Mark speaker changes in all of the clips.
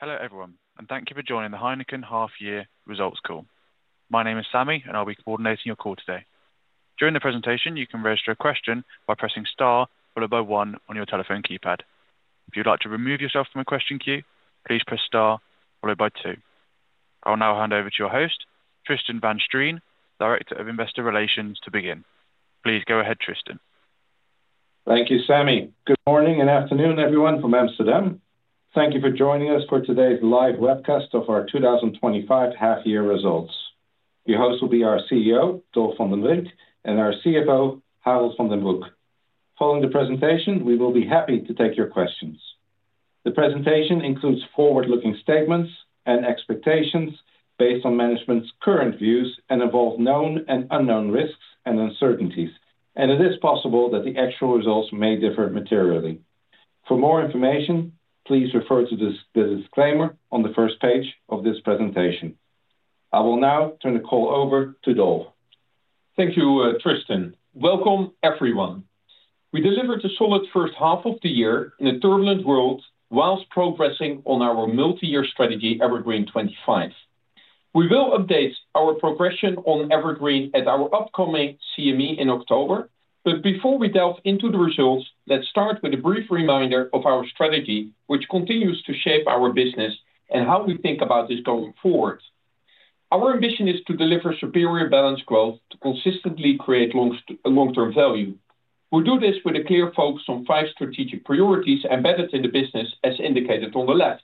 Speaker 1: Hello everyone, and thank you for joining the Heineken Half-Year Results Call. My name is Sammy, and I'll be coordinating your call today. During the presentation, you can register a question by pressing star followed by one on your telephone keypad. If you'd like to remove yourself from a question queue, please press star followed by two. I'll now hand over to your host, Tristan van Strien, Director of Investor Relations, to begin. Please go ahead, Tristan.
Speaker 2: Thank you, Sammy. Good morning and afternoon, everyone from Amsterdam. Thank you for joining us for today's live webcast of our 2025 Half-Year Results. Your hosts will be our CEO, Dolf van den Brink, and our CFO, Harold van den Broek. Following the presentation, we will be happy to take your questions. The presentation includes forward-looking statements and expectations based on management's current views and involves known and unknown risks and uncertainties, and it is possible that the actual results may differ materially. For more information, please refer to the disclaimer on the first page of this presentation. I will now turn the call over to Dolf.
Speaker 3: Thank you, Tristan. Welcome, everyone. We delivered a solid first half of the year in a turbulent world whilst progressing on our multi-year strategy, EverGreen 2025. We will update our progression on EverGreen at our upcoming CME in October, but before we delve into the results, let's start with a brief reminder of our strategy, which continues to shape our business and how we think about this going forward. Our ambition is to deliver superior balanced growth to consistently create long-term value. We do this with a clear focus on five strategic priorities embedded in the business, as indicated on the left.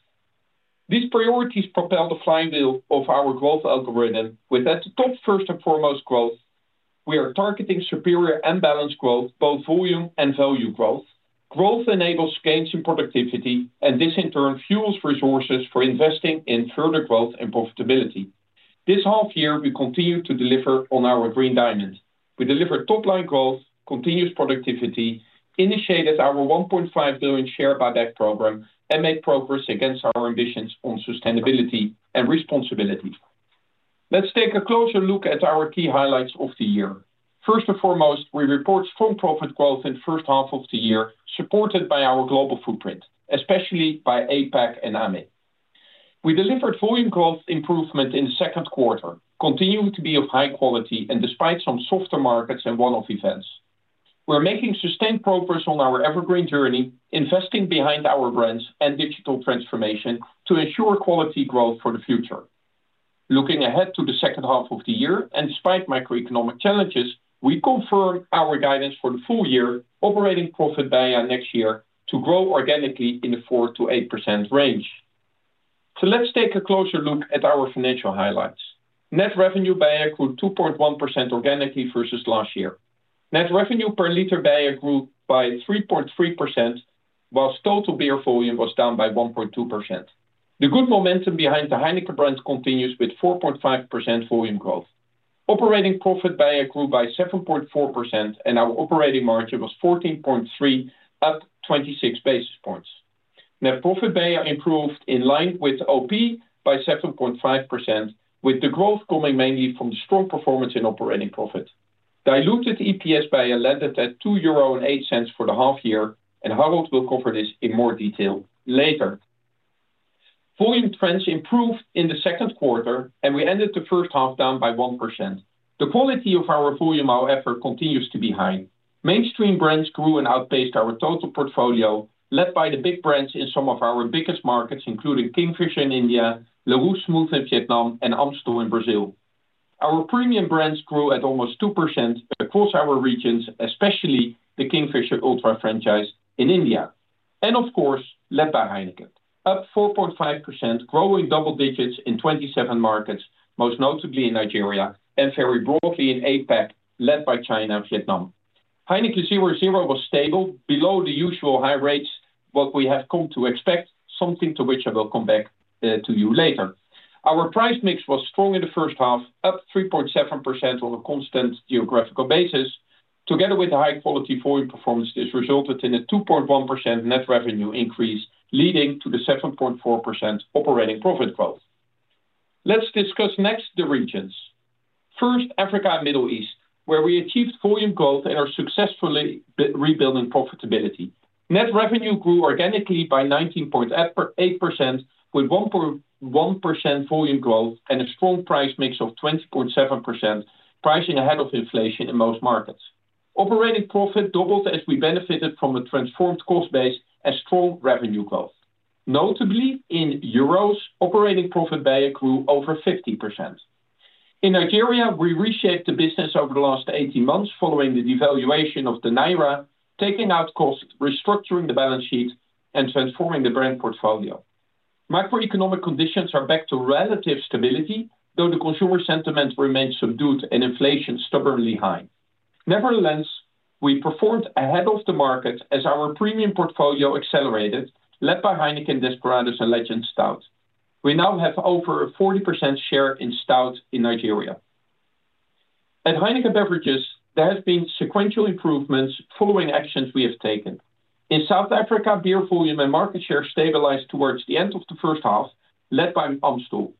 Speaker 3: These priorities propel the flywheel of our growth algorithm, with at the top, first and foremost, growth. We are targeting superior and balanced growth, both volume and value growth. Growth enables gains in productivity, and this in turn fuels resources for investing in further growth and profitability. This half year, we continue to deliver on our green diamond. We deliver top-line growth, continuous productivity, initiated our 1.5 billion share buyback program, and made progress against our ambitions on sustainability and responsibility. Let's take a closer look at our key highlights of the year. First and foremost, we report strong profit growth in the first half of the year, supported by our global footprint, especially by APAC and AMEC. We delivered volume growth improvement in the second quarter, continuing to be of high quality despite some softer markets and one-off events. We're making sustained progress on our EverGreen journey, investing behind our brands and digital transformation to ensure quality growth for the future. Looking ahead to the second half of the year and despite macroeconomic challenges, we confirm our guidance for the full year, operating profit by next year to grow organically in the 4%-8% range. Let's take a closer look at our financial highlights. Net revenue by accrued 2.1% organically versus last year. Net revenue per liter by accrued by 3.3%, whilst total beer volume was down by 1.2%. The good momentum behind the Heineken brand continues with 4.5% volume growth. Operating profit by accrued by 7.4%, and our operating margin was 14.3 up 26 basis points. Net profit by improved in line with OP by 7.5%, with the growth coming mainly from the strong performance in operating profit. Diluted EPS by landed at 2.08 euro for the half year, and Harold will cover this in more detail later. Volume trends improved in the second quarter, and we ended the first half down by 1%. The quality of our volume, however, continues to be high. Mainstream brands grew and outpaced our total portfolio, led by the big brands in some of our biggest markets, including Kingfisher in India, Larue Smooth in Vietnam, and Amstel in Brazil. Our premium brands grew at almost 2% across our regions, especially the Kingfisher Ultra franchise in India, and of course, led by Heineken, up 4.5%, growing double digits in 27 markets, most notably in Nigeria and very broadly in APAC, led by China and Vietnam. Heineken 0.0 was stable below the usual high rates, what we have come to expect, something to which I will come back to you later. Our price mix was strong in the first half, up 3.7% on a constant geographical basis. Together with the high-quality volume performance, this resulted in a 2.1% net revenue increase, leading to the 7.4% operating profit growth. Let's discuss next the regions. First, Africa and Middle East, where we achieved volume growth and are successfully rebuilding profitability. Net revenue grew organically by 19.8%, with 1.1% volume growth and a strong price mix of 20.7%, pricing ahead of inflation in most markets. Operating profit doubled as we benefited from a transformed cost base and strong revenue growth. Notably, in EUR, operating profit by accrued over 50%. In Nigeria, we reshaped the business over the last 18 months following the devaluation of the Naira, taking out costs, restructuring the balance sheet, and transforming the brand portfolio. Macroeconomic conditions are back to relative stability, though the consumer sentiment remains subdued and inflation stubbornly high. Nevertheless, we performed ahead of the market as our premium portfolio accelerated, led by Heineken, Desperados, and Legend Stout. We now have over a 40% share in Stout in Nigeria. At Heineken Beverages, there have been sequential improvements following actions we have taken. In South Africa, beer volume and market share stabilized towards the end of the first half, led by Amstel.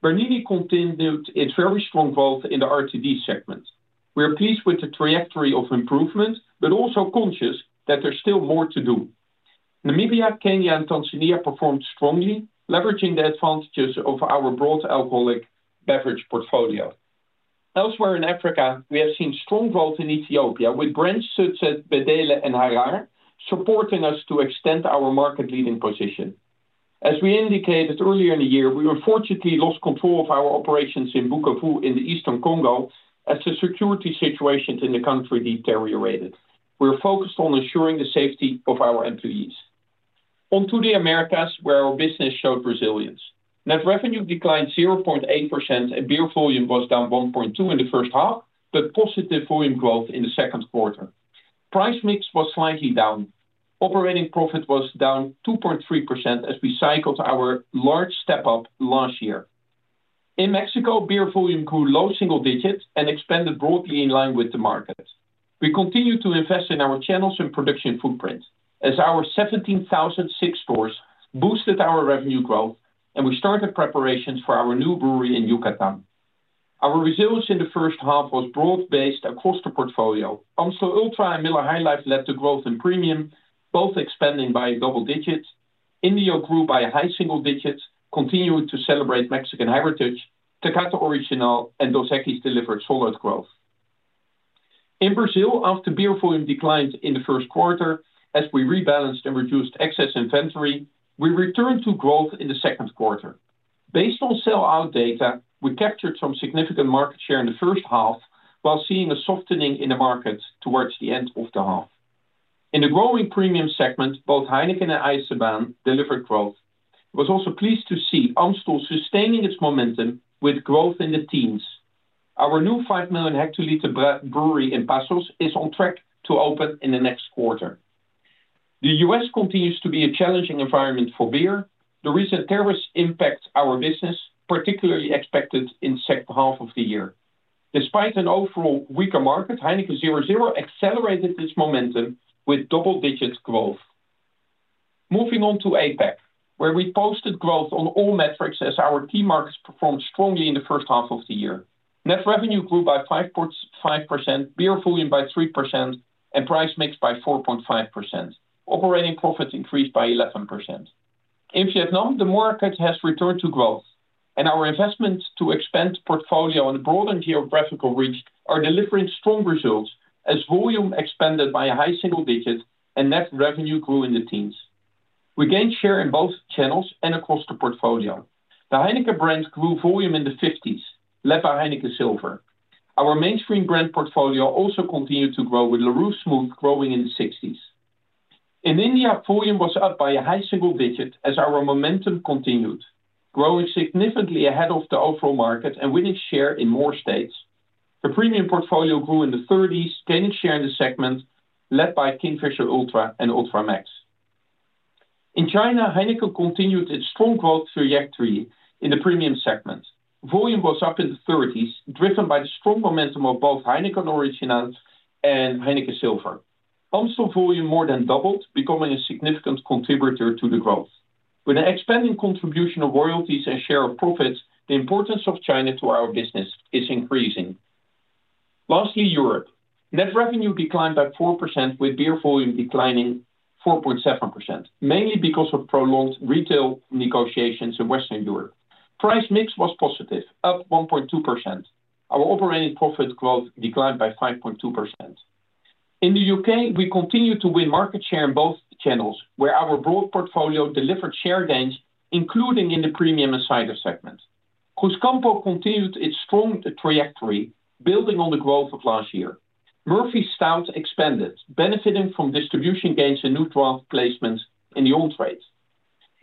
Speaker 3: Bernini continued its very strong growth in the RTD segment. We are pleased with the trajectory of improvement, but also conscious that there's still more to do. Namibia, Kenya, and Tanzania performed strongly, leveraging the advantages of our broad alcoholic beverage portfolio. Elsewhere in Africa, we have seen strong growth in Ethiopia, with brands such as Bedele and Harar supporting us to extend our market-leading position. As we indicated earlier in the year, we unfortunately lost control of our operations in Bukavu in the eastern of the Congo as the security situation in the country deteriorated. We are focused on ensuring the safety of our employees. On to the Americas, where our business showed resilience. Net revenue declined 0.8%, and beer volume was down 1.2% in the first half, but positive volume growth in the second quarter. Price mix was slightly down. Operating profit was down 2.3% as we cycled our large step-up last year. In Mexico, beer volume grew low single digits and expanded broadly in line with the market. We continued to invest in our channels and production footprint, as our 17,006 stores boosted our revenue growth, and we started preparations for our new brewery in Yucatán. Our resilience in the first half was broad-based across the portfolio. Amstel Ultra and Miller High Life led the growth in premium, both expanding by double digits. Indio grew by a high single digit, continuing to celebrate Mexican heritage. Takata Original and Dos Equis delivered solid growth. In Brazil, after beer volume declined in the first quarter, as we rebalanced and reduced excess inventory, we returned to growth in the second quarter. Based on sell-out data, we captured some significant market share in the first half, while seeing a softening in the market towards the end of the half. In the growing premium segment, both Heineken and Eisenbahn delivered growth. I was also pleased to see Amstel sustaining its momentum with growth in the teens. Our new 5 million hectoliter brewery in Passos is on track to open in the next quarter. The U.S. continues to be a challenging environment for beer. The recent terrorist impact on our business, particularly expected in the second half of the year. Despite an overall weaker market, Heineken 0.0 accelerated its momentum with double-digit growth. Moving on to APAC, where we posted growth on all metrics as our key markets performed strongly in the first half of the year. Net revenue grew by 5.5%, beer volume by 3%, and price mix by 4.5%. Operating profits increased by 11%. In Vietnam, the market has returned to growth, and our investments to expand the portfolio and broaden geographical reach are delivering strong results as volume expanded by a high single digit and net revenue grew in the teens. We gained share in both channels and across the portfolio. The Heineken brand grew volume in the 50s, led by Heineken Silver. Our mainstream brand portfolio also continued to grow, with Larue Smooth growing in the 60s. In India, volume was up by a high single digit as our momentum continued, growing significantly ahead of the overall market and winning share in more states. The premium portfolio grew in the 30s, gaining share in the segment led by Kingfisher Ultra and Ultra Max. In China, Heineken continued its strong growth trajectory in the premium segment. Volume was up in the 30s, driven by the strong momentum of both Heineken Original and Heineken Silver. Amstel volume more than doubled, becoming a significant contributor to the growth. With an expanding contribution of royalties and share of profits, the importance of China to our business is increasing. Lastly, Europe. Net revenue declined by 4%, with beer volume declining 4.7%, mainly because of prolonged retail negotiations in Western Europe. Price mix was positive, up 1.2%. Our operating profit growth declined by 5.2%. In the U.K., we continued to win market share in both channels, where our broad portfolio delivered share gains, including in the premium and cider segment. Cusqueña continued its strong trajectory, building on the growth of last year. Murphy’s Stout expanded, benefiting from distribution gains and new draft placements in the on-premise.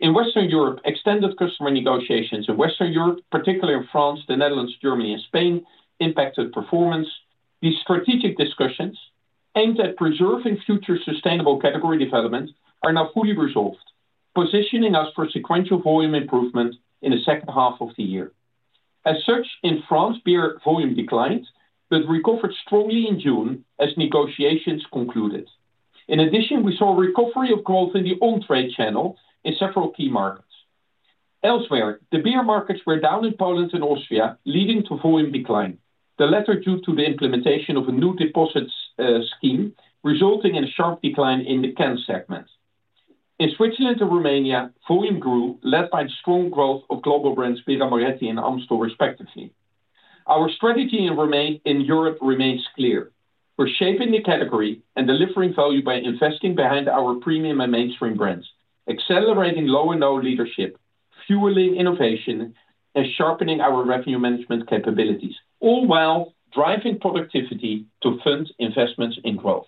Speaker 3: In Western Europe, extended customer negotiations in Western Europe, particularly in France, the Netherlands, Germany, and Spain, impacted performance. These strategic discussions aimed at preserving future sustainable category development are now fully resolved, positioning us for sequential volume improvement in the second half of the year. As such, in France, beer volume declined, but recovered strongly in June as negotiations concluded. In addition, we saw recovery of growth in the onswitch channel in several key markets. Elsewhere, the beer markets were down in Poland and Austria, leading to volume decline, the latter due to the implementation of a new deposits scheme, resulting in a sharp decline in the Cannes segment. In Switzerland and Romania, volume grew, led by strong growth of global brands Birra Moretti and Amstel, respectively. Our strategy in Europe remains clear. We're shaping the category and delivering value by investing behind our premium and mainstream brands, accelerating low and no leadership, fueling innovation, and sharpening our revenue management capabilities, all while driving productivity to fund investments in growth.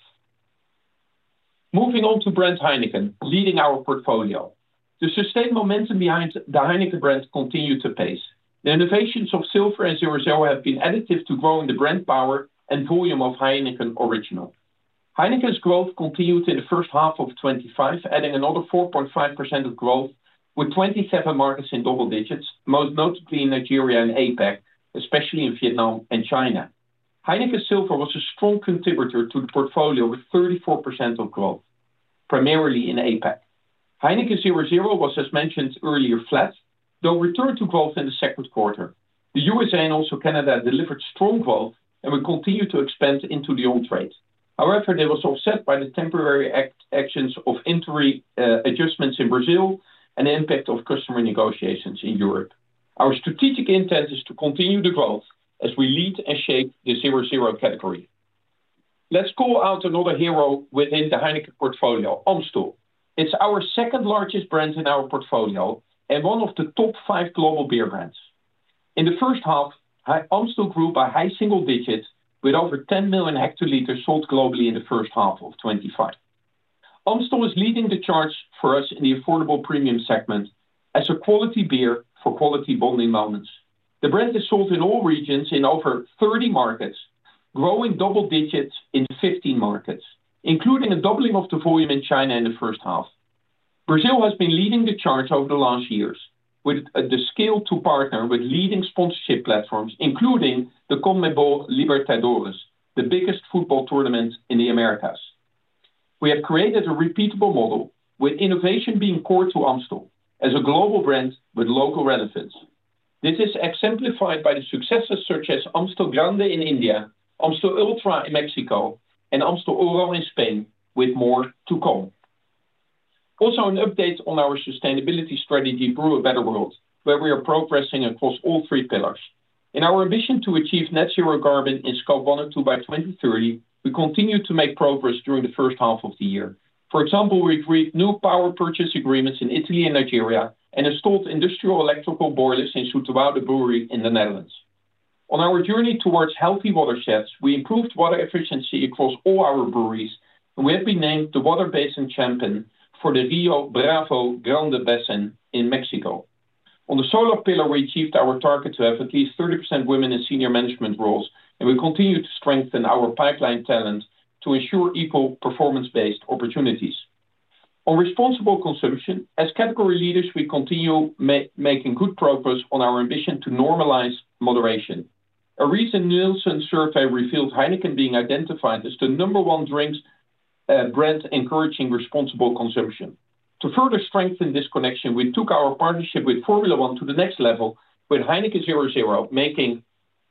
Speaker 3: Moving on to brand Heineken, leading our portfolio. The sustained momentum behind the Heineken brand continued to pace. The innovations of Silver and 0.0 have been additive to growing the brand power and volume of Heineken Original. Heineken's growth continued in the first half of 2025, adding another 4.5% of growth, with 27 markets in double digits, most notably in Nigeria and APAC, especially in Vietnam and China. Heineken Silver was a strong contributor to the portfolio, with 34% of growth, primarily in APAC. Heineken 0.0 was, as mentioned earlier, flat, though returned to growth in the second quarter. The U.S. and also Canada delivered strong growth and will continue to expand into the onsuits. However, there was offset by the temporary actions of interim adjustments in Brazil and the impact of customer negotiations in Europe. Our strategic intent is to continue the growth as we lead and shape the 0.0 category. Let's call out another hero within the Heineken portfolio, Amstel. It's our second largest brand in our portfolio and one of the top five global beer brands. In the first half, Amstel grew by a high single digit, with over 10 million hL sold globally in the first half of 2025. Amstel is leading the charge for us in the affordable premium segment as a quality beer for quality bonding moments. The brand is sold in all regions in over 30 markets, growing double digits in 15 markets, including a doubling of the volume in China in the first half. Brazil has been leading the charge over the last years, with the skill to partner with leading sponsorship platforms, including the CONMEBOL Libertadores, the biggest football tournament in the Americas. We have created a repeatable model, with innovation being core to Amstel as a global brand with local relevance. This is exemplified by the successes such as Amstel Grande in India, Amstel Ultra in Mexico, and Amstel Oro in Spain, with more to come. Also, an update on our sustainability strategy, Brew a Better World, where we are progressing across all three pillars. In our ambition to achieve net zero carbon in Scope 1 and 2 by 2030, we continue to make progress during the first half of the year. For example, we agreed new power purchase agreements in Italy and Nigeria and installed industrial electrical boilers in Sutoauda Brewery in the Netherlands. On our journey towards healthy watersheds, we improved water efficiency across all our breweries, and we have been named the Water Basin Champion for the Rio Bravo Grande Basin in Mexico. On the solar pillar, we achieved our target to have at least 30% women in senior management roles, and we continue to strengthen our pipeline talent to ensure equal performance-based opportunities. On responsible consumption, as category leaders, we continue making good progress on our ambition to normalize moderation. A recent Nielsen survey revealed Heineken being identified as the number one drink brand encouraging responsible consumption. To further strengthen this connection, we took our partnership with Formula 1 to the next level, with Heineken 0.0 making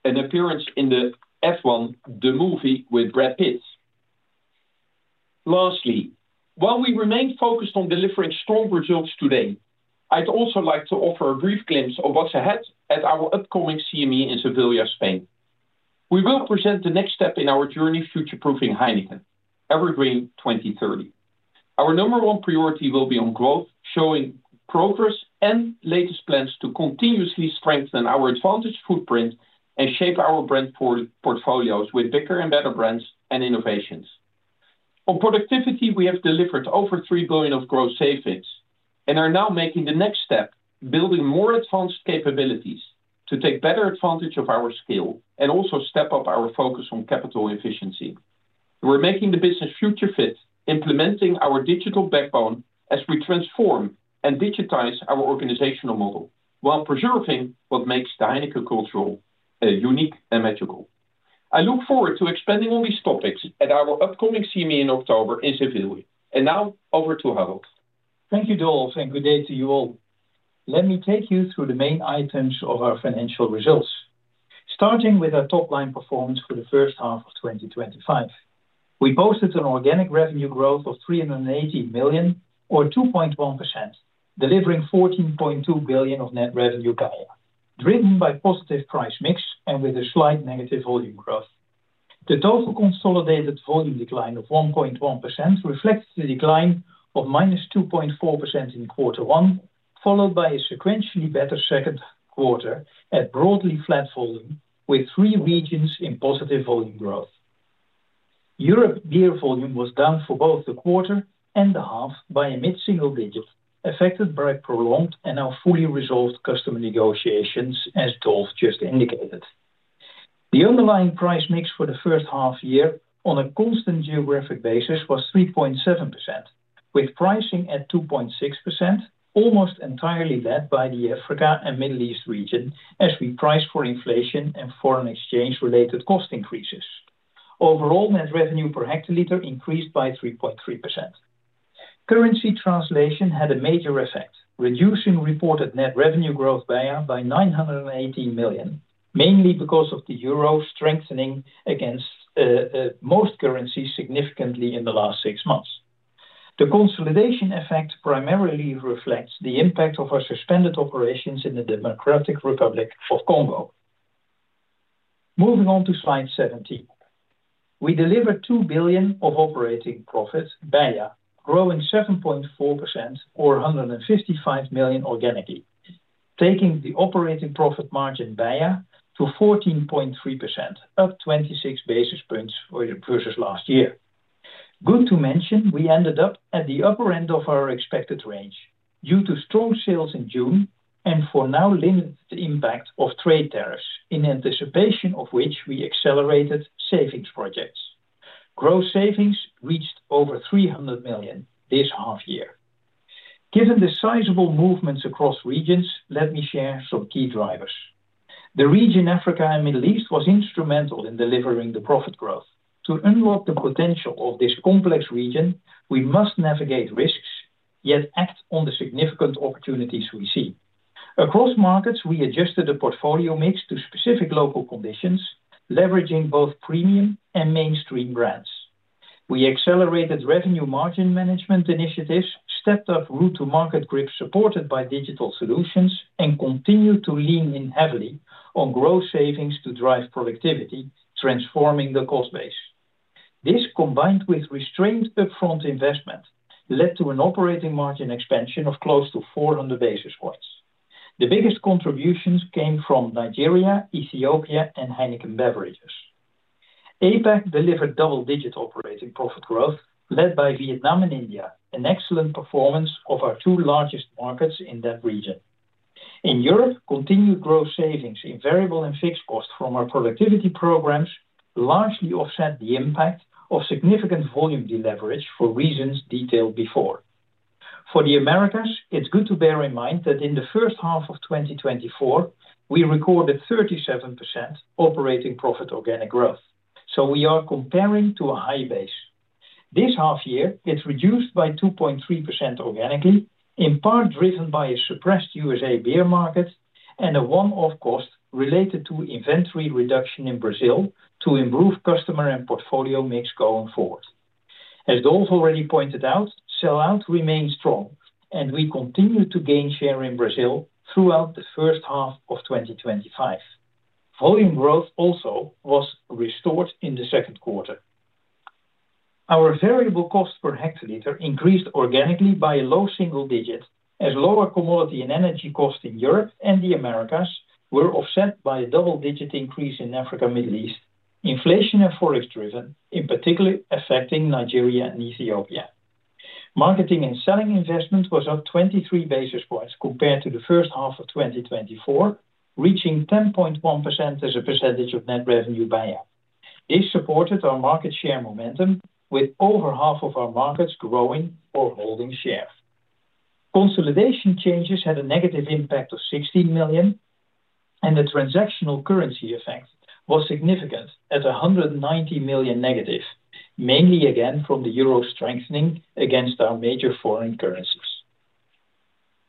Speaker 3: an appearance in the F1, the movie with Brad Pitt. Lastly, while we remain focused on delivering strong results today, I'd also like to offer a brief glimpse of what's ahead at our upcoming CME in Seville, Spain. We will present the next step in our journey future-proofing Heineken, EverGreen 2030. Our number one priority will be on growth, showing progress and latest plans to continuously strengthen our advantage footprint and shape our brand portfolios with bigger and better brands and innovations. On productivity, we have delivered over 3 billion of gross savings and are now making the next step, building more advanced capabilities to take better advantage of our scale and also step up our focus on capital efficiency. We're making the business future fit, implementing our digital backbone as we transform and digitize our organizational model while preserving what makes the Heineken culture unique and magical. I look forward to expanding on these topics at our upcoming CME in October in Seville. Now, over to Harold.
Speaker 4: Thank you, Dolf, and good day to you all. Let me take you through the main items of our financial results, starting with our top-line performance for the first half of 2025. We posted an organic revenue growth of 380 million, or 2.1%, delivering 14.2 billion of net revenue per year, driven by positive price mix and with a slight negative volume growth. The total consolidated volume decline of 1.1% reflects the decline of minus 2.4% in quarter one, followed by a sequentially better second quarter at broadly flat volume, with three regions in positive volume growth. Europe beer volume was down for both the quarter and the half by a mid-single digit, affected by prolonged and now fully resolved customer negotiations, as Dolf just indicated. The underlying price mix for the first half year on a constant geographic basis was 3.7%, with pricing at 2.6%, almost entirely led by the Africa and Middle East region, as we priced for inflation and foreign exchange-related cost increases. Overall, net revenue per hectoliter increased by 3.3%. Currency translation had a major effect, reducing reported net revenue growth by 980 million, mainly because of the euro strengthening against most currencies significantly in the last six months. The consolidation effect primarily reflects the impact of our suspended operations in the Democratic Republic of the Congo. Moving on to slide 17. We delivered 2 billion of operating profit per year, growing 7.4%, or 155 million organically, taking the operating profit margin per year to 14.3%, up 26 basis points versus last year. Good to mention, we ended up at the upper end of our expected range due to strong sales in June and for now limited the impact of trade tariffs, in anticipation of which we accelerated savings projects. Gross savings reached over 300 million this half year. Given the sizable movements across regions, let me share some key drivers. The region, Africa, and Middle East was instrumental in delivering the profit growth. To unlock the potential of this complex region, we must navigate risks, yet act on the significant opportunities we see. Across markets, we adjusted the portfolio mix to specific local conditions, leveraging both premium and mainstream brands. We accelerated revenue margin management initiatives, stepped up route-to-market grip supported by digital solutions, and continued to lean heavily on gross savings to drive productivity, transforming the cost base. This, combined with restrained upfront investment, led to an operating margin expansion of close to 400 basis points. The biggest contributions came from Nigeria, Ethiopia, and Heineken Beverages. APAC delivered double-digit operating profit growth, led by Vietnam and India, an excellent performance of our two largest markets in that region. In Europe, continued gross savings in variable and fixed costs from our productivity programs largely offset the impact of significant volume deleverage for reasons detailed before. For the Americas, it's good to bear in mind that in the first half of 2024, we recorded 37% operating profit organic growth, so we are comparing to a high base. This half year, it's reduced by 2.3% organically, in part driven by a suppressed US beer market and a one-off cost related to inventory reduction in Brazil to improve customer and portfolio mix going forward. As Dolf already pointed out, sellout remained strong, and we continued to gain share in Brazil throughout the first half of 2024. Volume growth also was restored in the second quarter. Our variable cost per hectoliter increased organically by a low single digit, as lower commodity and energy costs in Europe and the Americas were offset by a double-digit increase in Africa and the Middle East, inflation and forex driven, in particular affecting Nigeria and Ethiopia. Marketing and selling investment was up 23 basis points compared to the first half of 2024, reaching 10.1% as a percentage of net revenue by year. This supported our market share momentum, with over half of our markets growing or holding share. Consolidation changes had a negative impact of 16 million, and the transactional currency effect was significant at 190 million negative, mainly again from the euro strengthening against our major foreign currencies.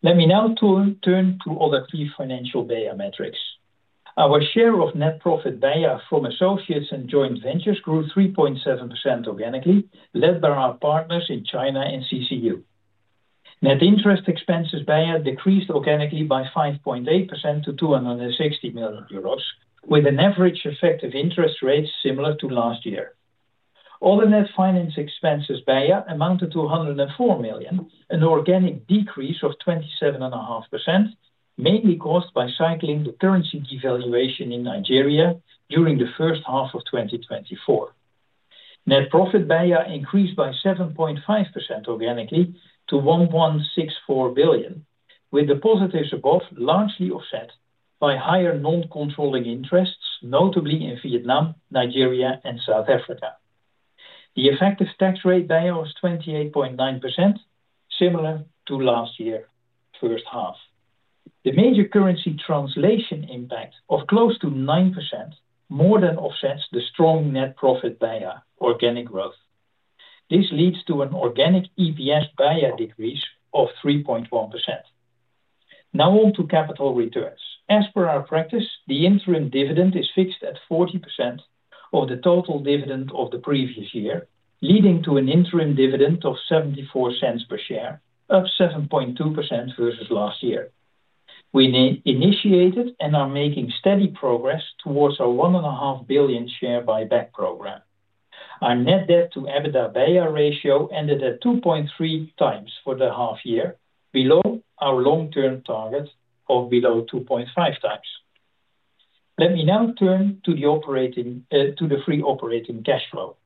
Speaker 4: Let me now turn to other key financial bear metrics. Our share of net profit by year from associates and joint ventures grew 3.7% organically, led by our partners in China and CCU. Net interest expenses by year decreased organically by 5.8% to 260 million euros, with an average effective interest rate similar to last year. All the net finance expenses by year amounted to 104 million, an organic decrease of 27.5%, mainly caused by cycling the currency devaluation in Nigeria during the first half of 2024. Net profit by year increased by 7.5% organically to 1.164 billion, with the positives above largely offset by higher non-controlling interests, notably in Vietnam, Nigeria, and South Africa. The effective tax rate by year was 28.9%, similar to last year's first half. The major currency translation impact of close to 9% more than offsets the strong net profit by year organic growth. This leads to an organic EPS by year decrease of 3.1%. Now on to capital returns. As per our practice, the interim dividend is fixed at 40% of the total dividend of the previous year, leading to an interim dividend of 0.74 per share, up 7.2% versus last year. We initiated and are making steady progress towards our 1.5 billion share buyback program. Our net debt to EBITDA by year ratio ended at 2.3 times for the half year, below our long-term target of below 2.5 times. Let me now turn to the free operating cash flow.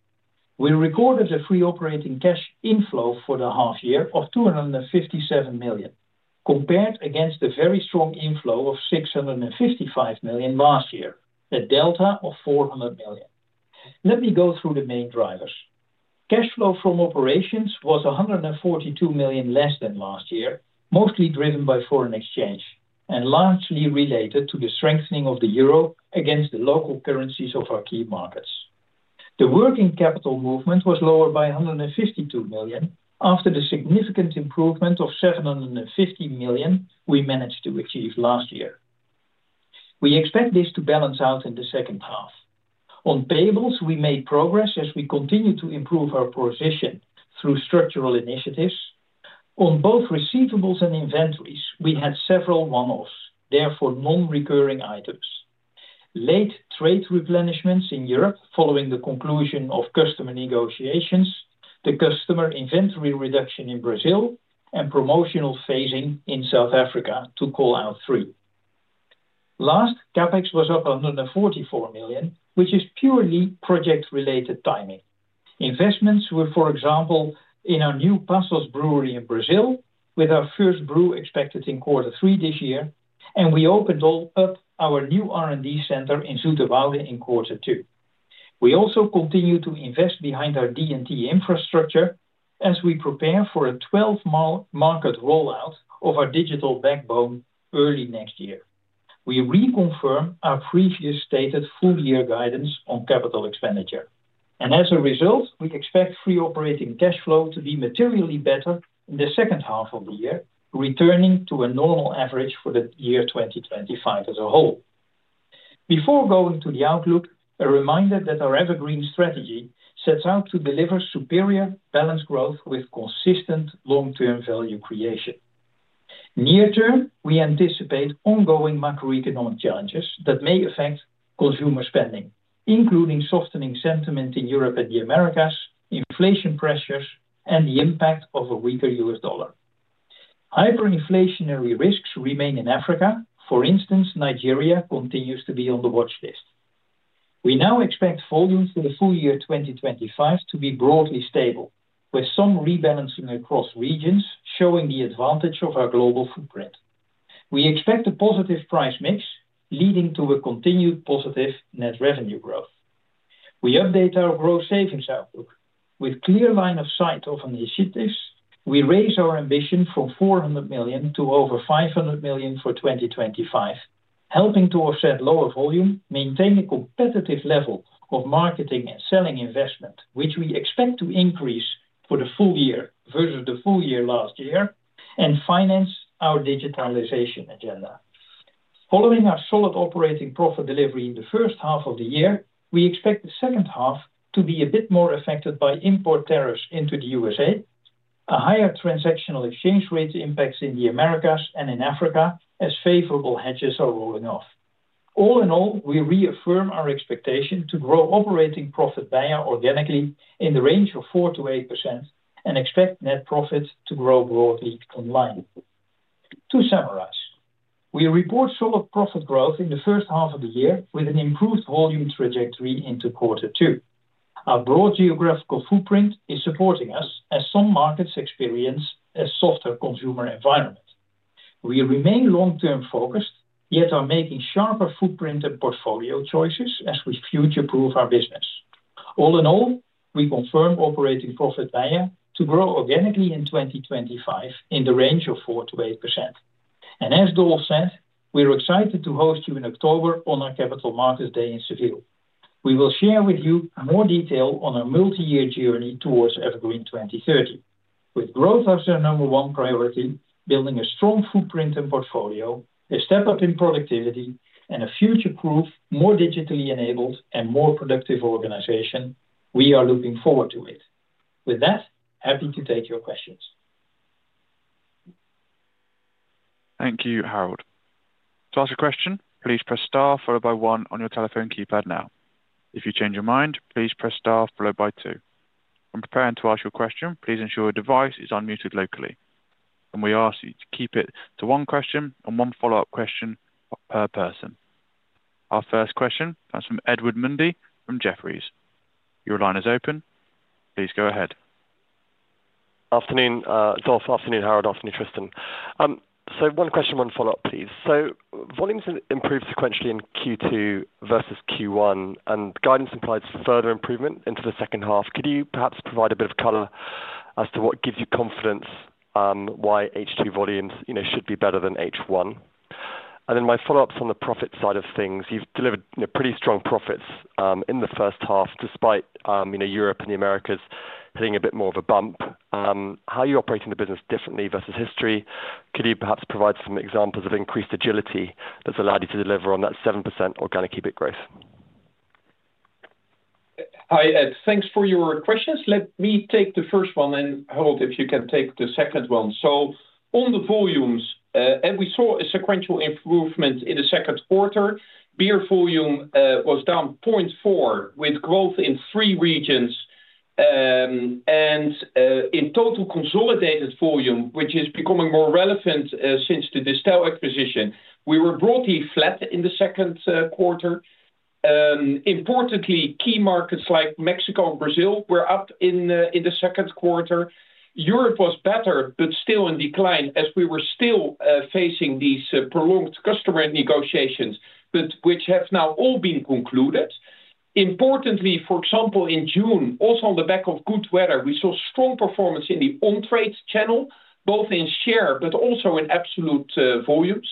Speaker 4: We recorded the free operating cash inflow for the half year of 257 million, compared against the very strong inflow of 655 million last year, a delta of 400 million. Let me go through the main drivers. Cash flow from operations was 142 million less than last year, mostly driven by foreign exchange and largely related to the strengthening of the euro against the local currencies of our key markets. The working capital movement was lower by 152 million after the significant improvement of 750 million we managed to achieve last year. We expect this to balance out in the second half. On payables, we made progress as we continued to improve our position through structural initiatives. On both receivables and inventories, we had several one-offs, therefore non-recurring items. Late trade replenishments in Europe following the conclusion of customer negotiations, the customer inventory reduction in Brazil, and promotional phasing in South Africa to call out three. Last, CapEx was up 144 million, which is purely project-related timing. Investments were, for example, in our new Passos brewery in Brazil, with our first brew expected in quarter three this year, and we opened up our new R&D center in Sutoauda in quarter two. We also continue to invest behind our D&T infrastructure as we prepare for a 12-month market rollout of our digital backbone early next year. We reconfirm our previous stated full-year guidance on capital expenditure, and as a result, we expect free operating cash flow to be materially better in the second half of the year, returning to a normal average for the year 2025 as a whole. Before going to the outlook, a reminder that our EverGreen strategy sets out to deliver superior balanced growth with consistent long-term value creation. Near term, we anticipate ongoing macroeconomic challenges that may affect consumer spending, including softening sentiment in Europe and the Americas, inflation pressures, and the impact of a weaker US dollar. Hyperinflationary risks remain in Africa. For instance, Nigeria continues to be on the watch list. We now expect volumes for the full year 2025 to be broadly stable, with some rebalancing across regions showing the advantage of our global footprint. We expect a positive price mix, leading to a continued positive net revenue growth. We update our growth savings outlook. With a clear line of sight of initiatives, we raise our ambition from 400 million to over 500 million for 2025, helping to offset lower volume, maintain a competitive level of marketing and selling investment, which we expect to increase for the full year versus the full year last year, and finance our digitalization agenda. Following our solid operating profit delivery in the first half of the year, we expect the second half to be a bit more affected by import tariffs into the U.S.A., a higher transactional exchange rate impacts in the Americas and in Africa as favorable hedges are rolling off. All in all, we reaffirm our expectation to grow operating profit by year organically in the range of 4%-8% and expect net profit to grow broadly online. To summarize, we report solid profit growth in the first half of the year with an improved volume trajectory into quarter two. Our broad geographical footprint is supporting us as some markets experience a softer consumer environment. We remain long-term focused, yet are making sharper footprint and portfolio choices as we future-proof our business. All in all, we confirm operating profit by year to grow organically in 2025 in the range of 4%-8%. As Dolf said, we are excited to host you in October on our Capital Markets Day in Seville. We will share with you more detail on our multi-year journey towards EverGreen 2030, with growth as our number one priority, building a strong footprint and portfolio, a step up in productivity, and a future-proof, more digitally enabled, and more productive organization. We are looking forward to it. With that, happy to take your questions.
Speaker 1: Thank you, Harold. To ask a question, please press star followed by one on your telephone keypad now. If you change your mind, please press star followed by two. When preparing to ask your question, please ensure your device is unmuted locally. We ask you to keep it to one question and one follow-up question per person. Our first question comes from Edward Mundy from Jefferies. Your line is open. Please go ahead.
Speaker 5: Afternoon, Dolf. Afternoon, Harold. Afternoon, Tristan. One question, one follow-up, please. Volumes improved sequentially in Q2 versus Q1, and guidance implies further improvement into the second half. Could you perhaps provide a bit of color as to what gives you confidence. Why H2 volumes should be better than H1? My follow-up is on the profit side of things. You have delivered pretty strong profits in the first half, despite Europe and the Americas hitting a bit more of a bump. How are you operating the business differently versus history? Could you perhaps provide some examples of increased agility that has allowed you to deliver on that 7% organic EBIT growth?
Speaker 3: Hi, thanks for your questions. Let me take the first one and Harold, if you can take the second one. On the volumes, we saw a sequential improvement in the second quarter. Beer volume was down 0.4%, with growth in three regions. In total consolidated volume, which is becoming more relevant since the distilled acquisition, we were broadly flat in the second quarter. Importantly, key markets like Mexico and Brazil were up in the second quarter. Europe was better, but still in decline as we were still facing these prolonged customer negotiations, which have now all been concluded. For example, in June, also on the back of good weather, we saw strong performance in the on-trade channel, both in share but also in absolute volumes.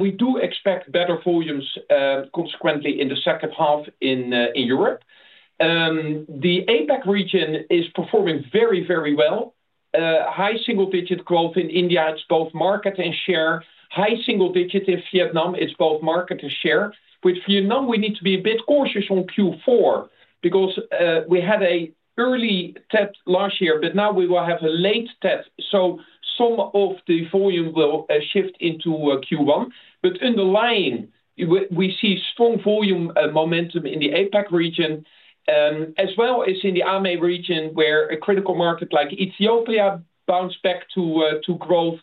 Speaker 3: We do expect better volumes consequently in the second half in Europe. The APAC region is performing very, very well. High single-digit growth in India. It is both market and share. High single-digit in Vietnam. It is both market and share. With Vietnam, we need to be a bit cautious on Q4 because we had an early TET last year, but now we will have a late TET. Some of the volume will shift into Q1. Underlying, we see strong volume momentum in the APAC region. As well as in the AME region, where a critical market like Ethiopia bounced back to growth.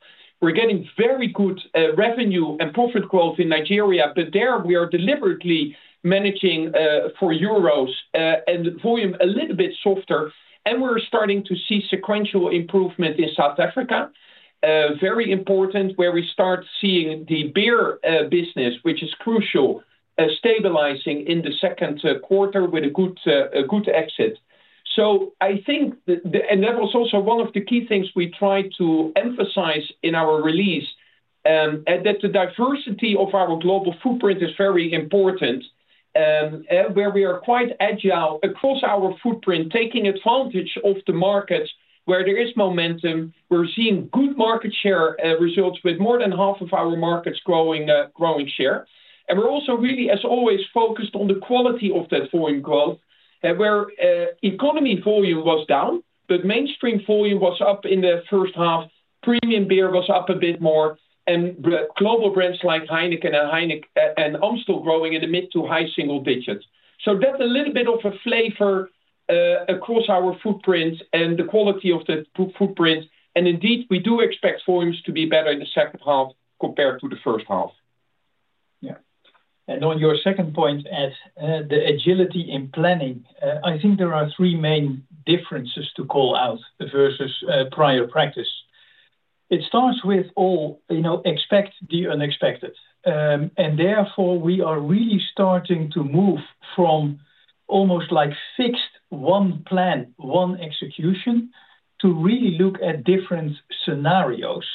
Speaker 3: We are getting very good revenue and profit growth in Nigeria, but there we are deliberately managing for euros and volume a little bit softer. We are starting to see sequential improvement in South Africa. Very important, where we start seeing the beer business, which is crucial, stabilizing in the second quarter with a good exit. I think, and that was also one of the key things we tried to emphasize in our release, that the diversity of our global footprint is very important, where we are quite agile across our footprint, taking advantage of the markets where there is momentum. We are seeing good market share results with more than half of our markets growing share. We are also really, as always, focused on the quality of that volume growth, where economy volume was down, but mainstream volume was up in the first half. Premium beer was up a bit more, and global brands like Heineken and Amstel growing in the mid to high single digits. That is a little bit of a flavor across our footprint and the quality of the footprint. Indeed, we do expect volumes to be better in the second half compared to the first half.
Speaker 4: Yeah. On your second point, Ed, the agility in planning, I think there are three main differences to call out versus prior practice. It starts with all. Expect the unexpected. Therefore, we are really starting to move from almost like fixed one plan, one execution, to really look at different scenarios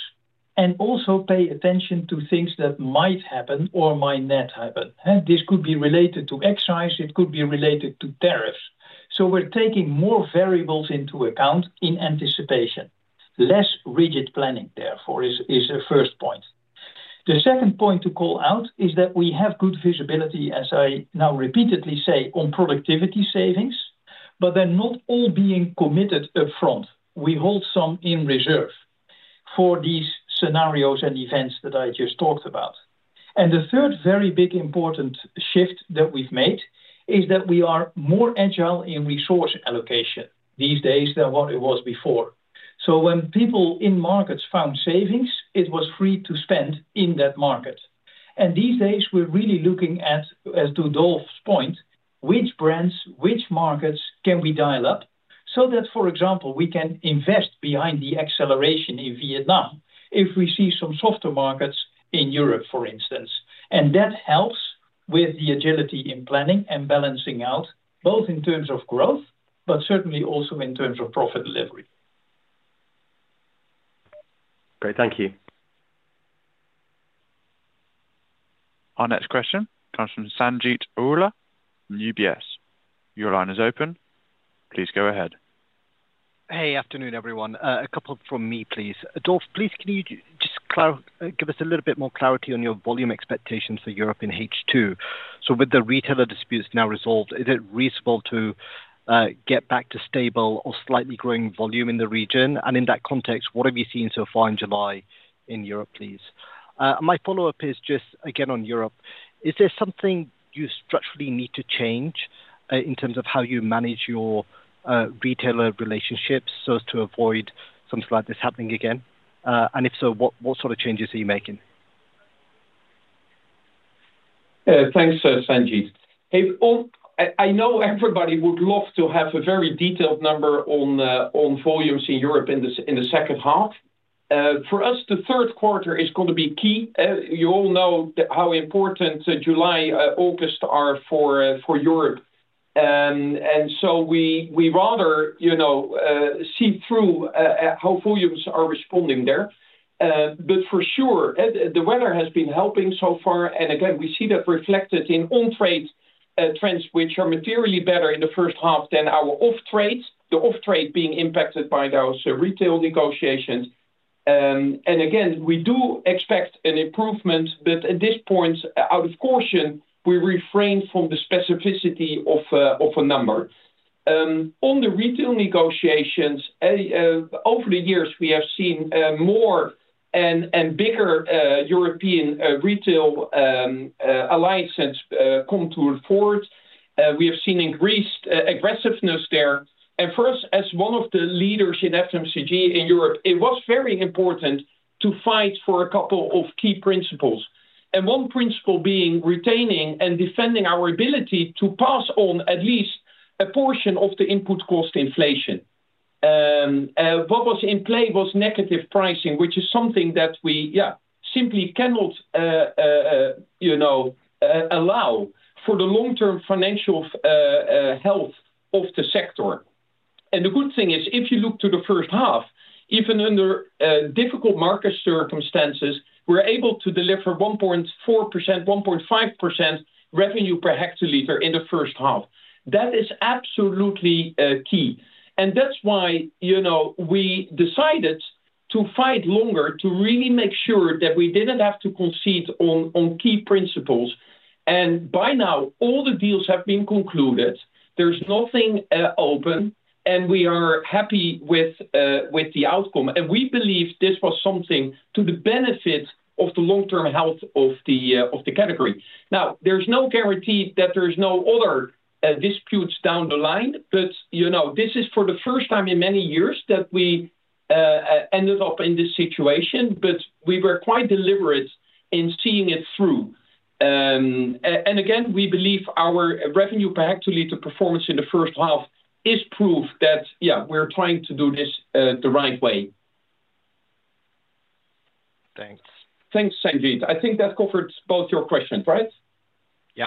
Speaker 4: and also pay attention to things that might happen or might not happen. This could be related to excise. It could be related to tariffs. We are taking more variables into account in anticipation. Less rigid planning, therefore, is the first point. The second point to call out is that we have good visibility, as I now repeatedly say, on productivity savings, but they are not all being committed upfront. We hold some in reserve for these scenarios and events that I just talked about. The third very big important shift that we have made is that we are more agile in resource allocation these days than what it was before. When people in markets found savings, it was free to spend in that market. These days, we are really looking at, as to Dolf's point, which brands, which markets can we dial up so that, for example, we can invest behind the acceleration in Vietnam if we see some softer markets in Europe, for instance. That helps with the agility in planning and balancing out, both in terms of growth, but certainly also in terms of profit delivery.
Speaker 5: Great. Thank you.
Speaker 1: Our next question comes from Sanjeet Aujla from UBS. Your line is open. Please go ahead.
Speaker 6: Hey, afternoon, everyone. A couple from me, please. Dolf, please, can you just give us a little bit more clarity on your volume expectations for Europe in H2? With the retailer disputes now resolved, is it reasonable to get back to stable or slightly growing volume in the region? In that context, what have you seen so far in July in Europe, please? My follow-up is just, again, on Europe. Is there something you structurally need to change in terms of how you manage your. Retailer relationships so as to avoid something like this happening again? And if so, what sort of changes are you making?
Speaker 3: Thanks, Sanjeet. I know everybody would love to have a very detailed number on volumes in Europe in the second half. For us, the third quarter is going to be key. You all know how important July and August are for Europe. We rather see through how volumes are responding there. For sure, the weather has been helping so far. Again, we see that reflected in on-trade trends, which are materially better in the first half than our off-trade, the off-trade being impacted by those retail negotiations. We do expect an improvement, but at this point, out of caution, we refrain from the specificity of a number. On the retail negotiations, over the years, we have seen more and bigger European retail alliances come to the fore. We have seen increased aggressiveness there. For us, as one of the leaders in FMCG in Europe, it was very important to fight for a couple of key principles. One principle being retaining and defending our ability to pass on at least a portion of the input cost inflation. What was in play was negative pricing, which is something that we, yeah, simply cannot allow for the long-term financial health of the sector. The good thing is, if you look to the first half, even under difficult market circumstances, we are able to deliver 1.4%-1.5% revenue per hectolitre in the first half. That is absolutely key. That is why we decided to fight longer to really make sure that we did not have to concede on key principles. By now, all the deals have been concluded. There is nothing open, and we are happy with the outcome. We believe this was something to the benefit of the long-term health of the category. There is no guarantee that there are no other disputes down the line, but this is for the first time in many years that we ended up in this situation, but we were quite deliberate in seeing it through. Again, we believe our revenue per hectolitre performance in the first half is proof that, yeah, we are trying to do this the right way.
Speaker 6: Thanks.
Speaker 3: Thanks, Sanjeet. I think that covered both your questions, right?
Speaker 6: Yeah.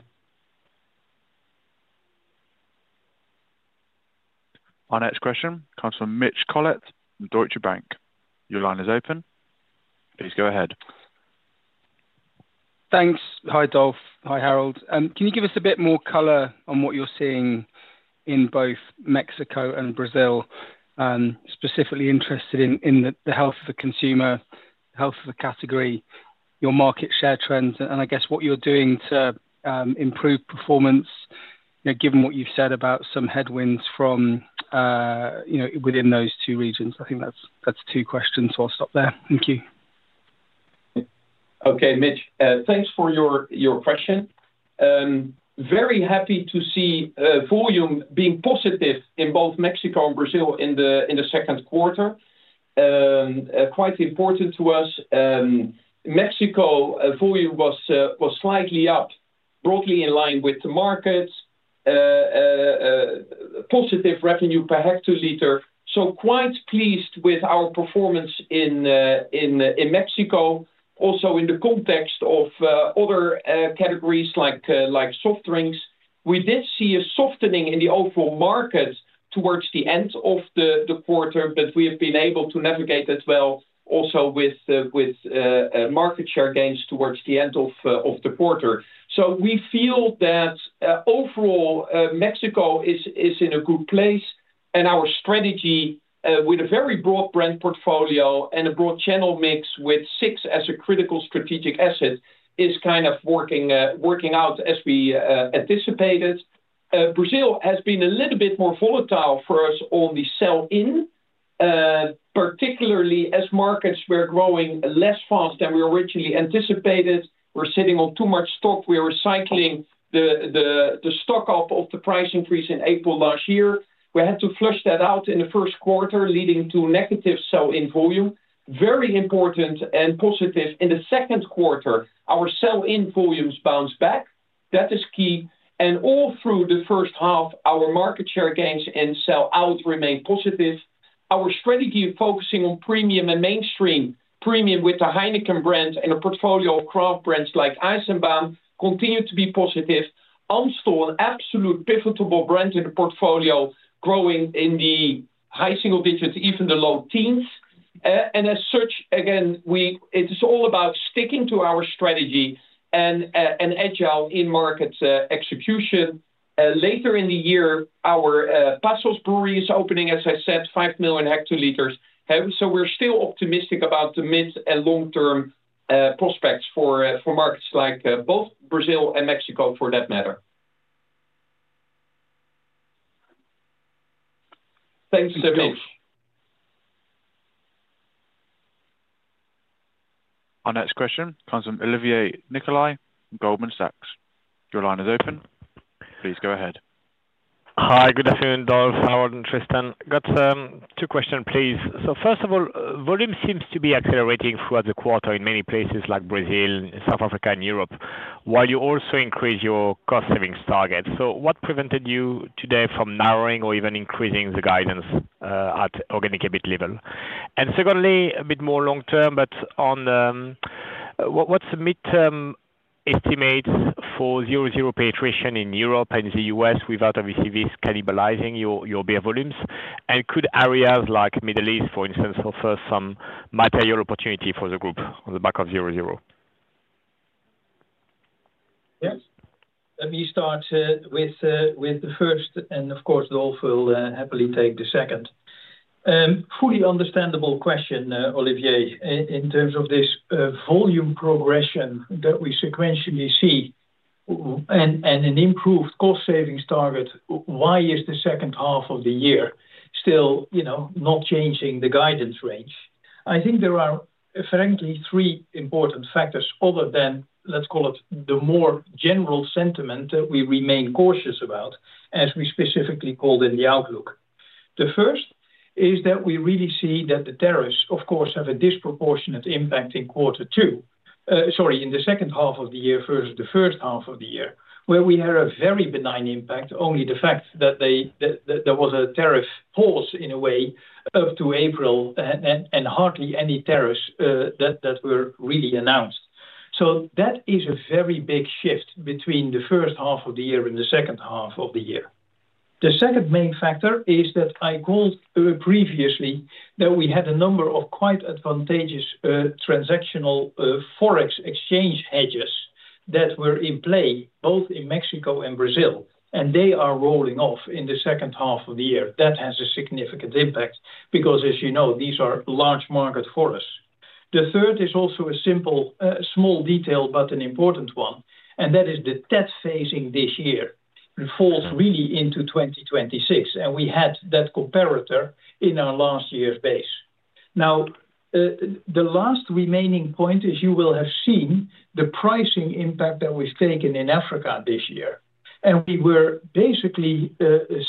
Speaker 1: Our next question comes from Mitch Collett from Deutsche Bank. Your line is open. Please go ahead.
Speaker 7: Thanks. Hi, Dolf. Hi, Harold. Can you give us a bit more color on what you are seeing in both Mexico and Brazil? Specifically interested in the health of the consumer, the health of the category, your market share trends, and I guess what you are doing to improve performance, given what you have said about some headwinds from within those two regions. I think that is two questions, so I will stop there. Thank you.
Speaker 3: Okay, Mitch, thanks for your question. Very happy to see volume being positive in both Mexico and Brazil in the second quarter. Quite important to us. Mexico volume was slightly up, broadly in line with the markets. Positive revenue per hectolitre. So quite pleased with our performance in Mexico, also in the context of other categories like soft drinks. We did see a softening in the overall market towards the end of the quarter, but we have been able to navigate it well also with market share gains towards the end of the quarter. So we feel that overall, Mexico is in a good place, and our strategy with a very broad brand portfolio and a broad channel mix with six as a critical strategic asset is kind of working out as we anticipated. Brazil has been a little bit more volatile for us on the sell-in, particularly as markets were growing less fast than we originally anticipated. We're sitting on too much stock. We're recycling the stock up of the price increase in April last year. We had to flush that out in the first quarter, leading to negative sell-in volume. Very important and positive in the second quarter, our sell-in volumes bounced back. That is key. And all through the first half, our market share gains and sell-out remained positive. Our strategy of focusing on premium and mainstream premium with the Heineken brand and a portfolio of craft brands like Eisenbahn continued to be positive. Amstel, an absolute pivotal brand in the portfolio, growing in the high single digits, even the low teens. And as such, again, it's all about sticking to our strategy and agile in market execution. Later in the year, our Passos brewery is opening, as I said, 5 million hL. So we're still optimistic about the mid and long-term prospects for markets like both Brazil and Mexico, for that matter.
Speaker 7: Thanks, Mitch.
Speaker 1: Our next question comes from Olivier Nicolai, Goldman Sachs. Your line is open. Please go ahead.
Speaker 8: Hi, good afternoon, Dolf, Harold, and Tristan. Got two questions, please. So first of all, volume seems to be accelerating throughout the quarter in many places like Brazil, South Africa, and Europe, while you also increase your cost-savings targets. So what prevented you today from narrowing or even increasing the guidance at organic EBIT level? And secondly, a bit more long-term, but on what's the midterm estimate for zero-zero penetration in Europe and the US without obviously discountabilizing your beer volumes? And could areas like the Middle East, for instance, offer some material opportunity for the group on the back of zero-zero?
Speaker 4: Yes. Let me start with the first, and of course, Dolf will happily take the second. Fully understandable question, Olivier, in terms of this volume progression that we sequentially see. And an improved cost-savings target, why is the second half of the year still not changing the guidance range? I think there are, frankly, three important factors other than, let's call it, the more general sentiment that we remain cautious about, as we specifically called in the outlook. The first is that we really see that the tariffs, of course, have a disproportionate impact in quarter two, sorry, in the second half of the year versus the first half of the year, where we had a very benign impact, only the fact that there was a tariff pause in a way up to April and hardly any tariffs that were really announced. That is a very big shift between the first half of the year and the second half of the year. The second main factor is that I called previously that we had a number of quite advantageous transactional foreign exchange hedges that were in play both in Mexico and Brazil, and they are rolling off in the second half of the year. That has a significant impact because, as you know, these are large markets for us. The third is also a simple, small detail, but an important one, and that is the TET phasing this year. It falls really into 2026, and we had that comparator in our last year's base. Now, the last remaining point is you will have seen the pricing impact that we've taken in Africa this year. We were basically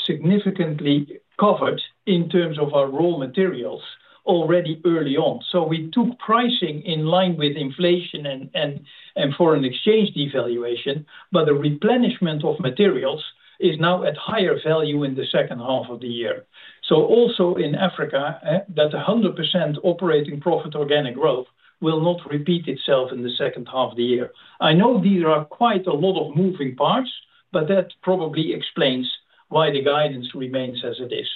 Speaker 4: significantly covered in terms of our raw materials already early on. We took pricing in line with inflation and foreign exchange devaluation, but the replenishment of materials is now at higher value in the second half of the year. Also in Africa, that 100% operating profit organic growth will not repeat itself in the second half of the year. I know these are quite a lot of moving parts, but that probably explains why the guidance remains as it is.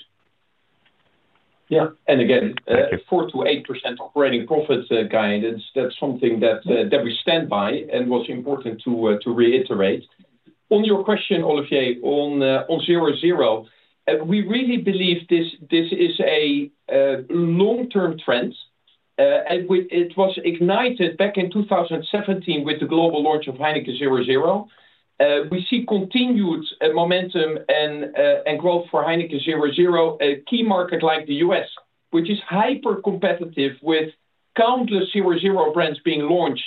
Speaker 3: Yeah. Again, 4%-8% operating profit guidance, that's something that we stand by and was important to reiterate. On your question, Olivier, on zero-zero, we really believe this is a long-term trend. It was ignited back in 2017 with the global launch of Heineken 0.0. We see continued momentum and growth for Heineken 0.0, a key market like the U.S., which is hyper-competitive with countless zero-zero brands being launched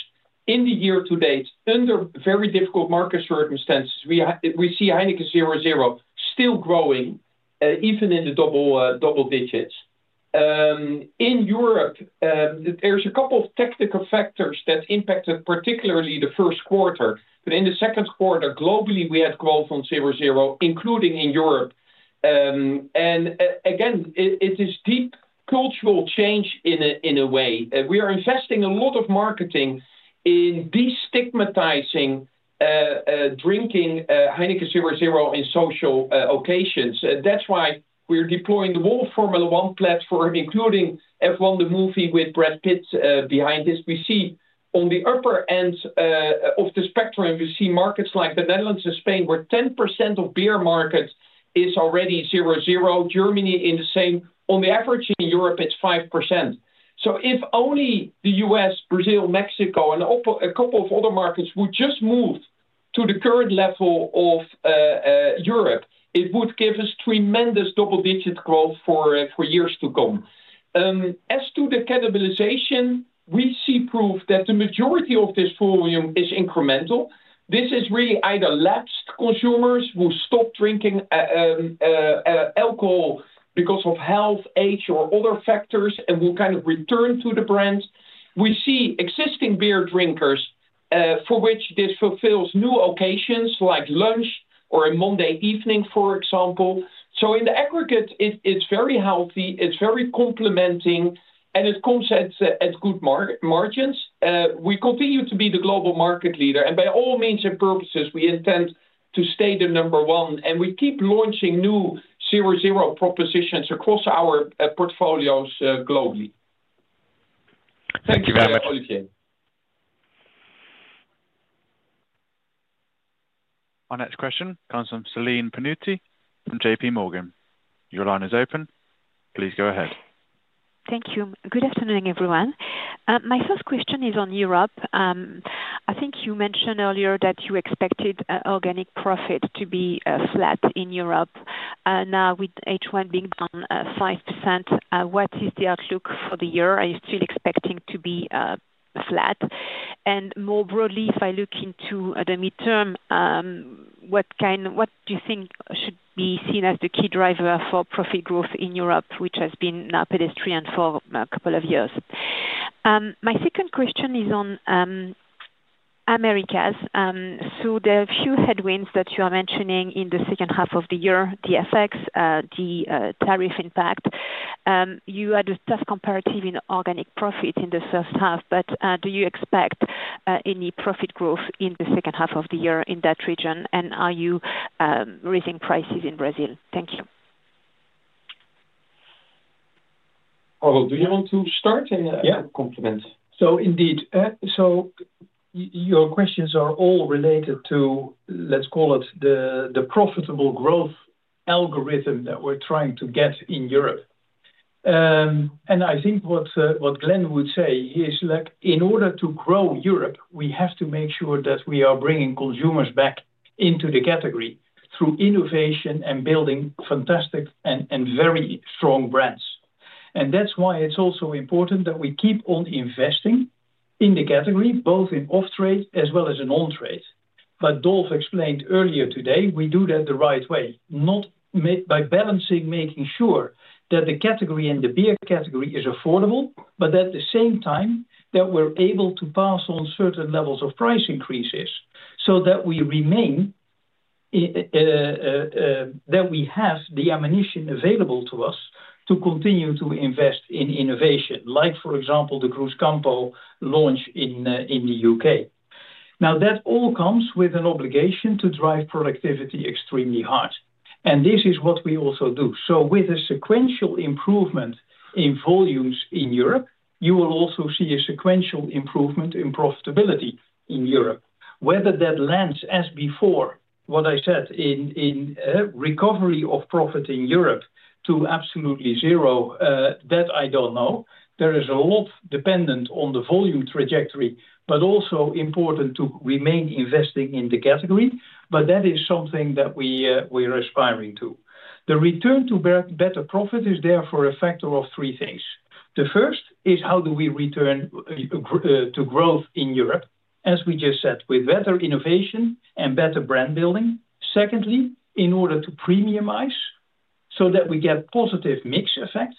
Speaker 3: in the year to date under very difficult market circumstances. We see Heineken 0.0 still growing even in the double digits. In Europe, there's a couple of technical factors that impacted particularly the first quarter. In the second quarter, globally, we had growth on zero-zero, including in Europe. It is deep cultural change in a way. We are investing a lot of marketing in destigmatizing drinking Heineken 0.0 in social occasions. That's why we're deploying the whole Formula 1 platform, including F1, the movie with Brad Pitt behind this. We see on the upper end of the spectrum, we see markets like the Netherlands and Spain, where 10% of beer market is already zero-zero. Germany in the same. On the average in Europe, it's 5%. If only the U.S., Brazil, Mexico, and a couple of other markets would just move to the current level of Europe, it would give us tremendous double-digit growth for years to come. As to the cannibalization, we see proof that the majority of this volume is incremental. This is really either lapsed consumers who stopped drinking alcohol because of health, age, or other factors, and will kind of return to the brands. We see existing beer drinkers for which this fulfills new occasions like lunch or a Monday evening, for example. In the aggregate, it's very healthy. It's very complementing, and it comes at good margins. We continue to be the global market leader, and by all means and purposes, we intend to stay the number one, and we keep launching new zero-zero propositions across our portfolios globally. Thank you very much, Olivier.
Speaker 1: Our next question comes from Celine Pannuti from JPMorgan. Your line is open. Please go ahead.
Speaker 9: Thank you. Good afternoon, everyone. My first question is on Europe. I think you mentioned earlier that you expected organic profit to be flat in Europe. Now, with H1 being down 5%, what is the outlook for the year? Are you still expecting to be flat? More broadly, if I look into the midterm, what do you think should be seen as the key driver for profit growth in Europe, which has been pedestrian for a couple of years? My second question is on Americas. The few headwinds that you are mentioning in the second half of the year, the effects, the tariff impact. You had a tough comparative in organic profit in the first half, but do you expect any profit growth in the second half of the year in that region? Are you raising prices in Brazil? Thank you.
Speaker 3: Harold, do you want to start and complement?
Speaker 4: Yeah. Indeed. Your questions are all related to, let's call it, the profitable growth algorithm that we're trying to get in Europe. I think what Glenn would say is, in order to grow Europe, we have to make sure that we are bringing consumers back into the category through innovation and building fantastic and very strong brands. That's why it's also important that we keep on investing in the category, both in off-trade as well as in on-trade. As Dolf explained earlier today, we do that the right way, not by balancing, making sure that the category and the beer category is affordable, but at the same time, that we're able to pass on certain levels of price increases so that we remain. That we have the ammunition available to us to continue to invest in innovation, like, for example, the Cruzcampo launch in the U.K. Now, that all comes with an obligation to drive productivity extremely hard. This is what we also do. With a sequential improvement in volumes in Europe, you will also see a sequential improvement in profitability in Europe. Whether that lands, as before, what I said, in recovery of profit in Europe to absolutely zero, that I don't know. There is a lot dependent on the volume trajectory, but also important to remain investing in the category. That is something that we are aspiring to. The return to better profit is there for a factor of three things. The first is how do we return to growth in Europe, as we just said, with better innovation and better brand building. Secondly, in order to premiumize so that we get positive mix effect.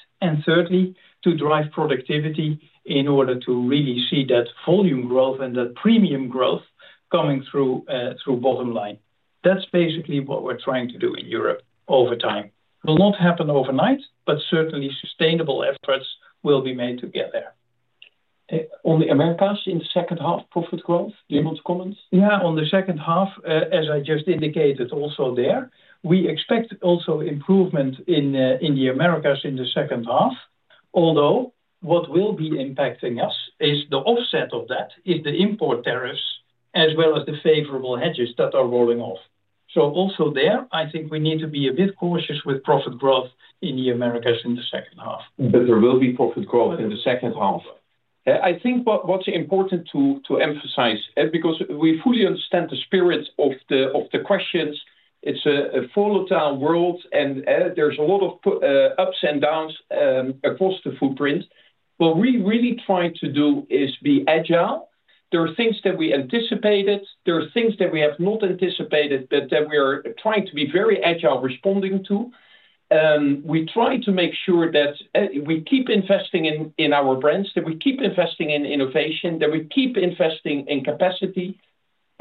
Speaker 4: Thirdly, to drive productivity in order to really see that volume growth and that premium growth coming through bottom line. That's basically what we're trying to do in Europe over time. It will not happen overnight, but certainly sustainable efforts will be made to get there.
Speaker 3: On the Americas in the second half, profit growth? Do you want to comment?
Speaker 4: Yeah. On the second half, as I just indicated also there, we expect also improvement in the Americas in the second half. Although what will be impacting us is the offset of that is the import tariffs as well as the favorable hedges that are rolling off. Also there, I think we need to be a bit cautious with profit growth in the Americas in the second half.
Speaker 3: There will be profit growth in the second half.
Speaker 4: I think what's important to emphasize, because we fully understand the spirit of the questions, it's a volatile world, and there's a lot of ups and downs across the footprint. What we really try to do is be agile. There are things that we anticipated. There are things that we have not anticipated, but that we are trying to be very agile responding to. We try to make sure that we keep investing in our brands, that we keep investing in innovation, that we keep investing in capacity.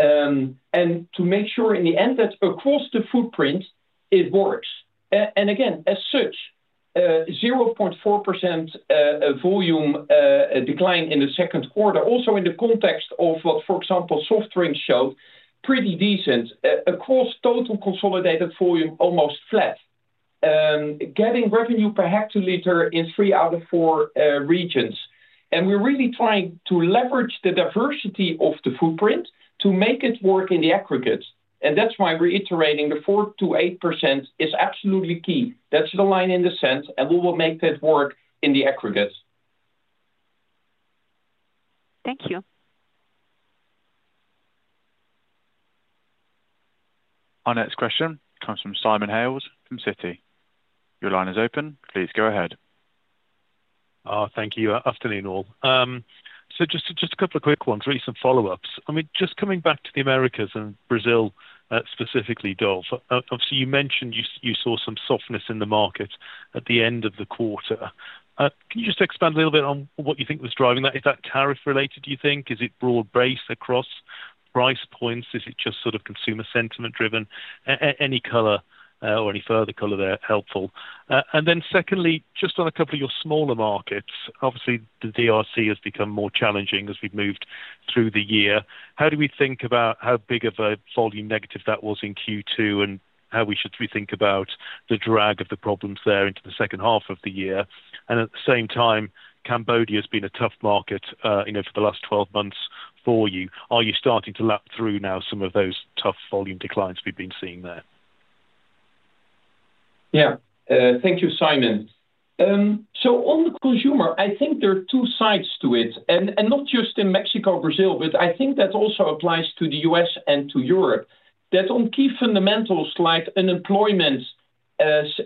Speaker 4: To make sure in the end that across the footprint, it works. Again, as such, 0.4% volume decline in the second quarter, also in the context of what, for example, soft drink showed, pretty decent across total consolidated volume, almost flat. Getting revenue per hectoliter in three out of four regions. We're really trying to leverage the diversity of the footprint to make it work in the aggregate. That's why reiterating the 4-8% is absolutely key. That's the line in the sand, and we will make that work in the aggregate.
Speaker 9: Thank you.
Speaker 1: Our next question comes from Simon Hales from Citi. Your line is open. Please go ahead.
Speaker 10: Thank you. Afternoon, all. Just a couple of quick ones, recent follow-ups. I mean, just coming back to the Americas and Brazil specifically, Dolf, obviously, you mentioned you saw some softness in the market at the end of the quarter. Can you just expand a little bit on what you think was driving that? Is that tariff-related, do you think? Is it broad-based across price points? Is it just sort of consumer sentiment-driven? Any color or any further color there helpful? Then secondly, just on a couple of your smaller markets, obviously, the D.R.C. has become more challenging as we've moved through the year. How do we think about how big of a volume negative that was in Q2 and how we should rethink about the drag of the problems there into the second half of the year? At the same time, Cambodia has been a tough market for the last 12 months for you. Are you starting to lap through now some of those tough volume declines we've been seeing there?
Speaker 3: Yeah. Thank you, Simon. On the consumer, I think there are two sides to it. Not just in Mexico or Brazil, but I think that also applies to the U.S. and to Europe, that on key fundamentals like unemployment,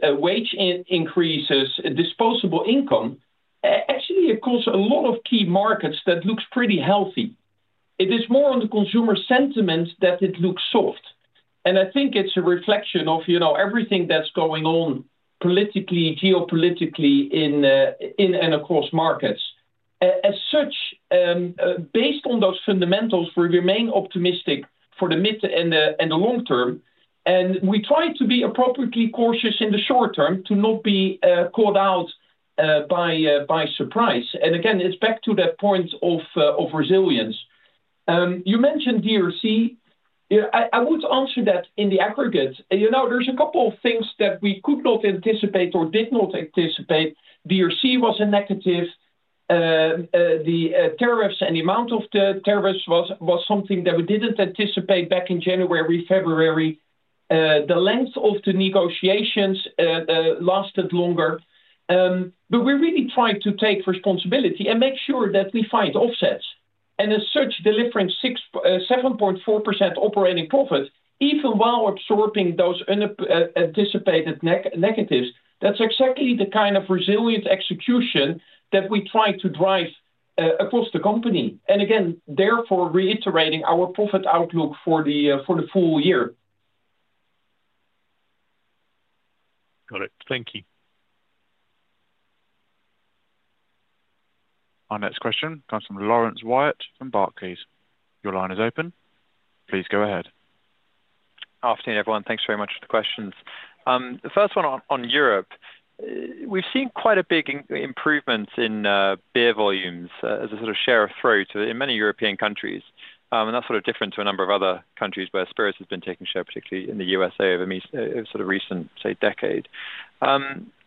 Speaker 3: wage increases, disposable income, actually it caused a lot of key markets that looked pretty healthy. It is more on the consumer sentiment that it looks soft. I think it's a reflection of everything that's going on politically, geopolitically, in and across markets. As such, based on those fundamentals, we remain optimistic for the mid and the long term. We try to be appropriately cautious in the short term to not be caught out by surprise. Again, it's back to that point of resilience. You mentioned the D.R.C. I would answer that in the aggregate. There's a couple of things that we could not anticipate or did not anticipate. The D.R.C. was a negative. The tariffs and the amount of the tariffs was something that we didn't anticipate back in January, February. The length of the negotiations lasted longer. We're really trying to take responsibility and make sure that we find offsets. As such, delivering 7.4% operating profit, even while absorbing those anticipated negatives, that's exactly the kind of resilient execution that we try to drive across the company. Again, therefore, reiterating our profit outlook for the full year.
Speaker 10: Got it. Thank you.
Speaker 1: Our next question comes from Laurence Whyatt from Barclays. Your line is open. Please go ahead.
Speaker 11: Afternoon, everyone. Thanks very much for the questions. The first one on Europe. We've seen quite a big improvement in beer volumes as a sort of share of throat in many European countries. That's sort of different to a number of other countries where spirits have been taking share, particularly in the U.S.A. over the recent, say, decade.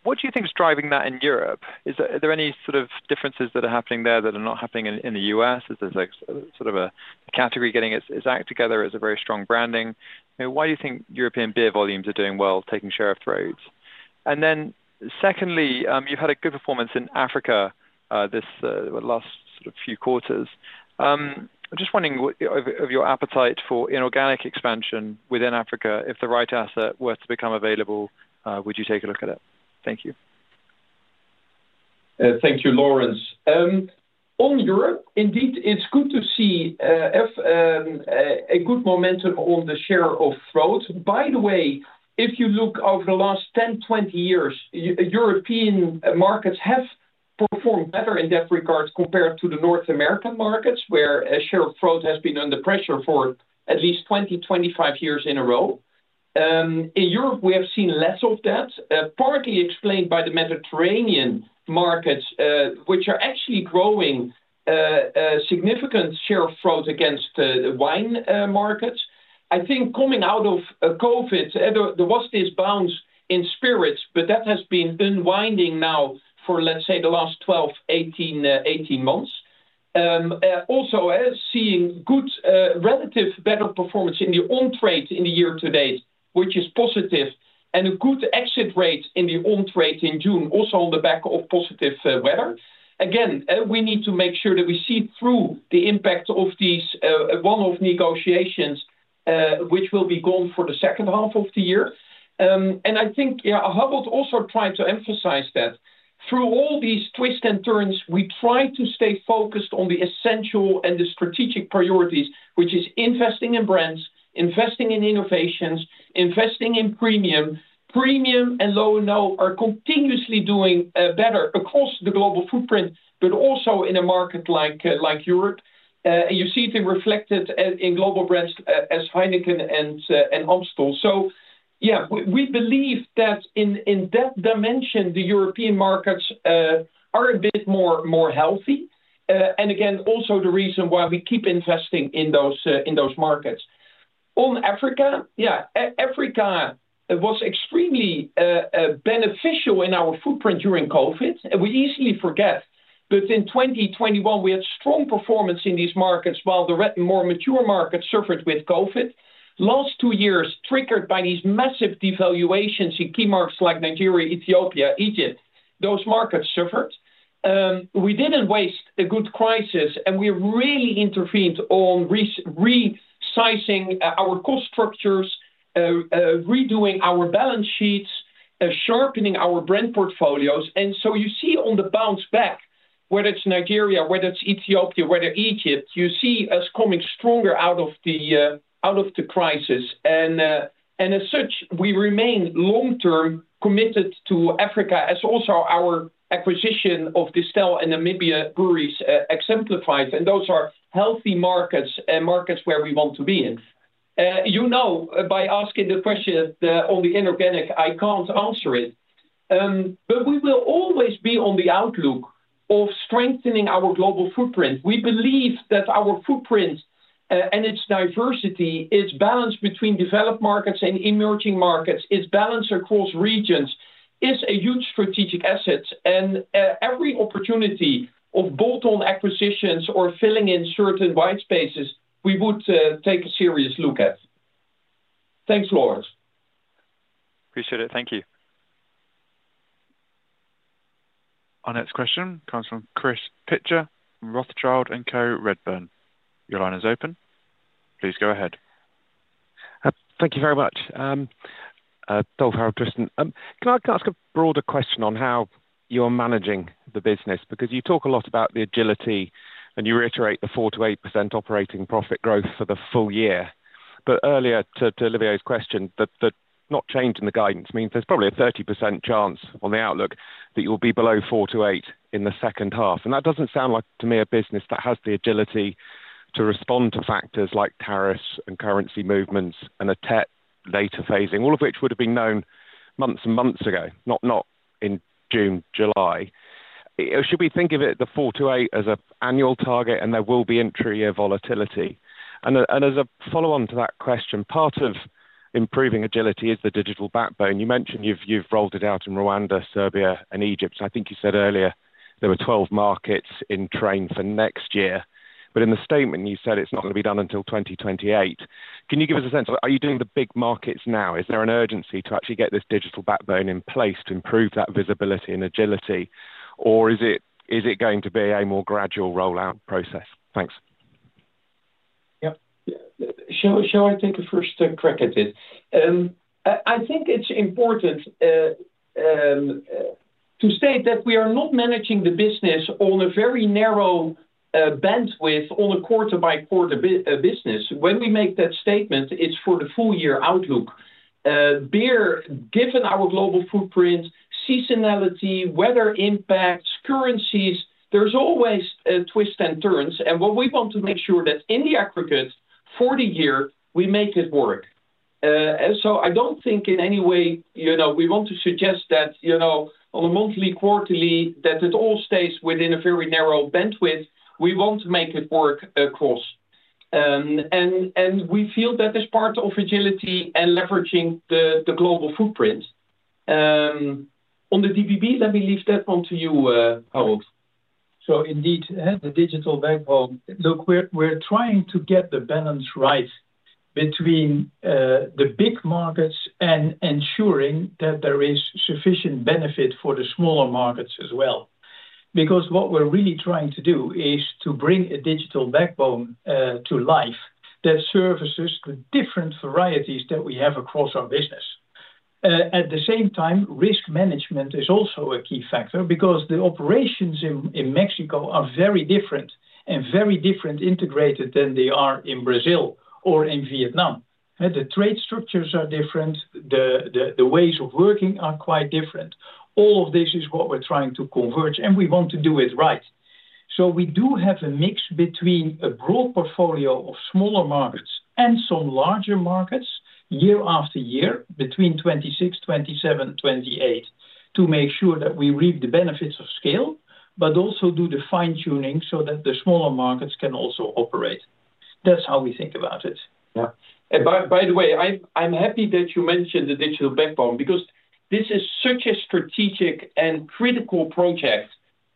Speaker 11: What do you think is driving that in Europe? Are there any sort of differences that are happening there that are not happening in the U.S.? Is there sort of a category getting its act together? Is there very strong branding? Why do you think European beer volumes are doing well, taking share of throat? Then secondly, you've had a good performance in Africa this last few quarters. I'm just wondering of your appetite for inorganic expansion within Africa, if the right asset were to become available, would you take a look at it? Thank you.
Speaker 3: Thank you, Laurence. On Europe, indeed, it's good to see a good momentum on the share of throat. By the way, if you look over the last 10-20 years, European markets have performed better in that regard compared to the North American markets, where share of throat has been under pressure for at least 20-25 years in a row. In Europe, we have seen less of that, partly explained by the Mediterranean markets, which are actually growing significant share of throat against the wine markets. I think coming out of COVID, there was this bounce in spirits, but that has been unwinding now for, let's say, the last 12-18 months. Also seeing good relative better performance in the on-trade in the year to date, which is positive, and a good exit rate in the on-trade in June, also on the back of positive weather. We need to make sure that we see through the impact of these one-off negotiations, which will be gone for the second half of the year. I think Harold also tried to emphasize that through all these twists and turns, we try to stay focused on the essential and the strategic priorities, which is investing in brands, investing in innovations, investing in premium. Premium and low and low are continuously doing better across the global footprint, but also in a market like Europe. You see it reflected in global brands as Heineken and Amstel. We believe that in that dimension, the European markets are a bit more healthy. Also the reason why we keep investing in those markets. On Africa, Africa was extremely beneficial in our footprint during COVID. We easily forget, but in 2021, we had strong performance in these markets while the more mature markets suffered with COVID. Last two years, triggered by these massive devaluations in key markets like Nigeria, Ethiopia, Egypt, those markets suffered. We didn't waste a good crisis, and we really intervened on resizing our cost structures, redoing our balance sheets, sharpening our brand portfolios. You see on the bounce back, whether it's Nigeria, whether it's Ethiopia, whether Egypt, you see us coming stronger out of the crisis. As such, we remain long-term committed to Africa, as also our acquisition of Distel and Namibia breweries exemplifies. Those are healthy markets and markets where we want to be in. You know, by asking the question on the inorganic, I can't answer it. But we will always be on the outlook of strengthening our global footprint. We believe that our footprint and its diversity, its balance between developed markets and emerging markets, its balance across regions is a huge strategic asset. Every opportunity of bolt-on acquisitions or filling in certain white spaces, we would take a serious look at. Thanks, Laurence.
Speaker 11: Appreciate it. Thank you.
Speaker 1: Our next question comes from Chris Pitcher from Rothschild and Co. Redburn. Your line is open. Please go ahead.
Speaker 12: Thank you very much. Dolf, Harold, Tristan, can I ask a broader question on how you're managing the business? Because you talk a lot about the agility, and you reiterate the 4-8% operating profit growth for the full year. Earlier, to Olivier's question, the not change in the guidance means there's probably a 30% chance on the outlook that you'll be below 4-8% in the second half. That doesn't sound like to me a business that has the agility to respond to factors like tariffs and currency movements and a TET later phasing, all of which would have been known months and months ago, not in June, July. Should we think of it, the 4-8% as an annual target, and there will be entry year volatility? As a follow-on to that question, part of improving agility is the digital backbone. You mentioned you've rolled it out in Rwanda, Serbia, and Egypt. I think you said earlier there were 12 markets in train for next year. In the statement, you said it's not going to be done until 2028. Can you give us a sense of, are you doing the big markets now? Is there an urgency to actually get this digital backbone in place to improve that visibility and agility? Or is it going to be a more gradual rollout process? Thanks.
Speaker 3: Yep. Shall I take a first crack at it? I think it's important to state that we are not managing the business on a very narrow bandwidth on a quarter-by-quarter business. When we make that statement, it's for the full-year outlook. Beer, given our global footprint, seasonality, weather impacts, currencies, there's always twists and turns. What we want to make sure that in the aggregate for the year, we make it work. I don't think in any way we want to suggest that on a monthly, quarterly, that it all stays within a very narrow bandwidth. We want to make it work across. We feel that is part of agility and leveraging the global footprint. On the digital backbone, let me leave that one to you, Harold.
Speaker 4: So indeed, the digital backbone, look, we're trying to get the balance right between the big markets and ensuring that there is sufficient benefit for the smaller markets as well. Because what we're really trying to do is to bring a digital backbone to life that services the different varieties that we have across our business. At the same time, risk management is also a key factor because the operations in Mexico are very different and very different integrated than they are in Brazil or in Vietnam. The trade structures are different. The ways of working are quite different. All of this is what we're trying to converge, and we want to do it right. We do have a mix between a broad portfolio of smaller markets and some larger markets year after year between 2026, 2027, 2028 to make sure that we reap the benefits of scale, but also do the fine-tuning so that the smaller markets can also operate. That's how we think about it.
Speaker 3: Yeah. By the way, I'm happy that you mentioned the digital backbone because this is such a strategic and critical project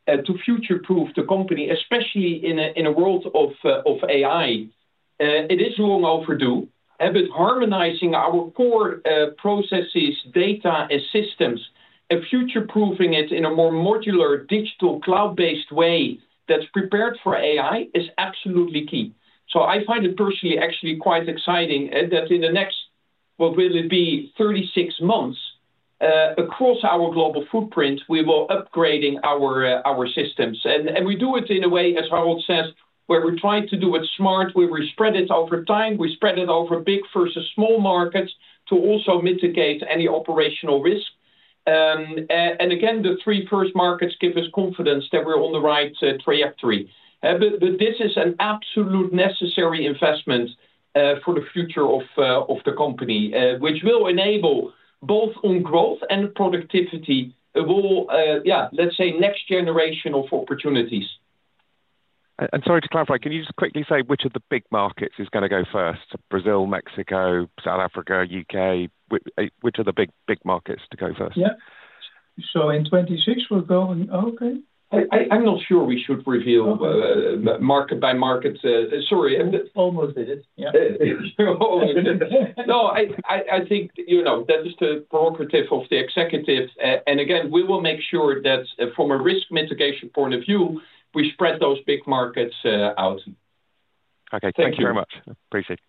Speaker 3: to future-proof the company, especially in a world of AI. It is long overdue. Harmonizing our core processes, data, and systems and future-proofing it in a more modular, digital, cloud-based way that's prepared for AI is absolutely key. I find it personally actually quite exciting that in the next, what will it be, 36 months. Across our global footprint, we will be upgrading our systems. We do it in a way, as Harold says, where we're trying to do it smart. We spread it over time. We spread it over big versus small markets to also mitigate any operational risk. Again, the three first markets give us confidence that we're on the right trajectory. This is an absolute necessary investment for the future of the company, which will enable both on growth and productivity of all, yeah, let's say, next generation of opportunities.
Speaker 12: Sorry to clarify, can you just quickly say which of the big markets is going to go first? Brazil, Mexico, South Africa, U.K., which are the big markets to go first?
Speaker 4: Yeah. In 2026, we'll go and okay.
Speaker 3: I'm not sure we should reveal. Market by market.
Speaker 4: Sorry. Almost did it.
Speaker 3: Yeah. Almost did it. I think that is the prerogative of the executives. Again, we will make sure that from a risk mitigation point of view, we spread those big markets out.
Speaker 12: Okay. Thank you very much. Appreciate it.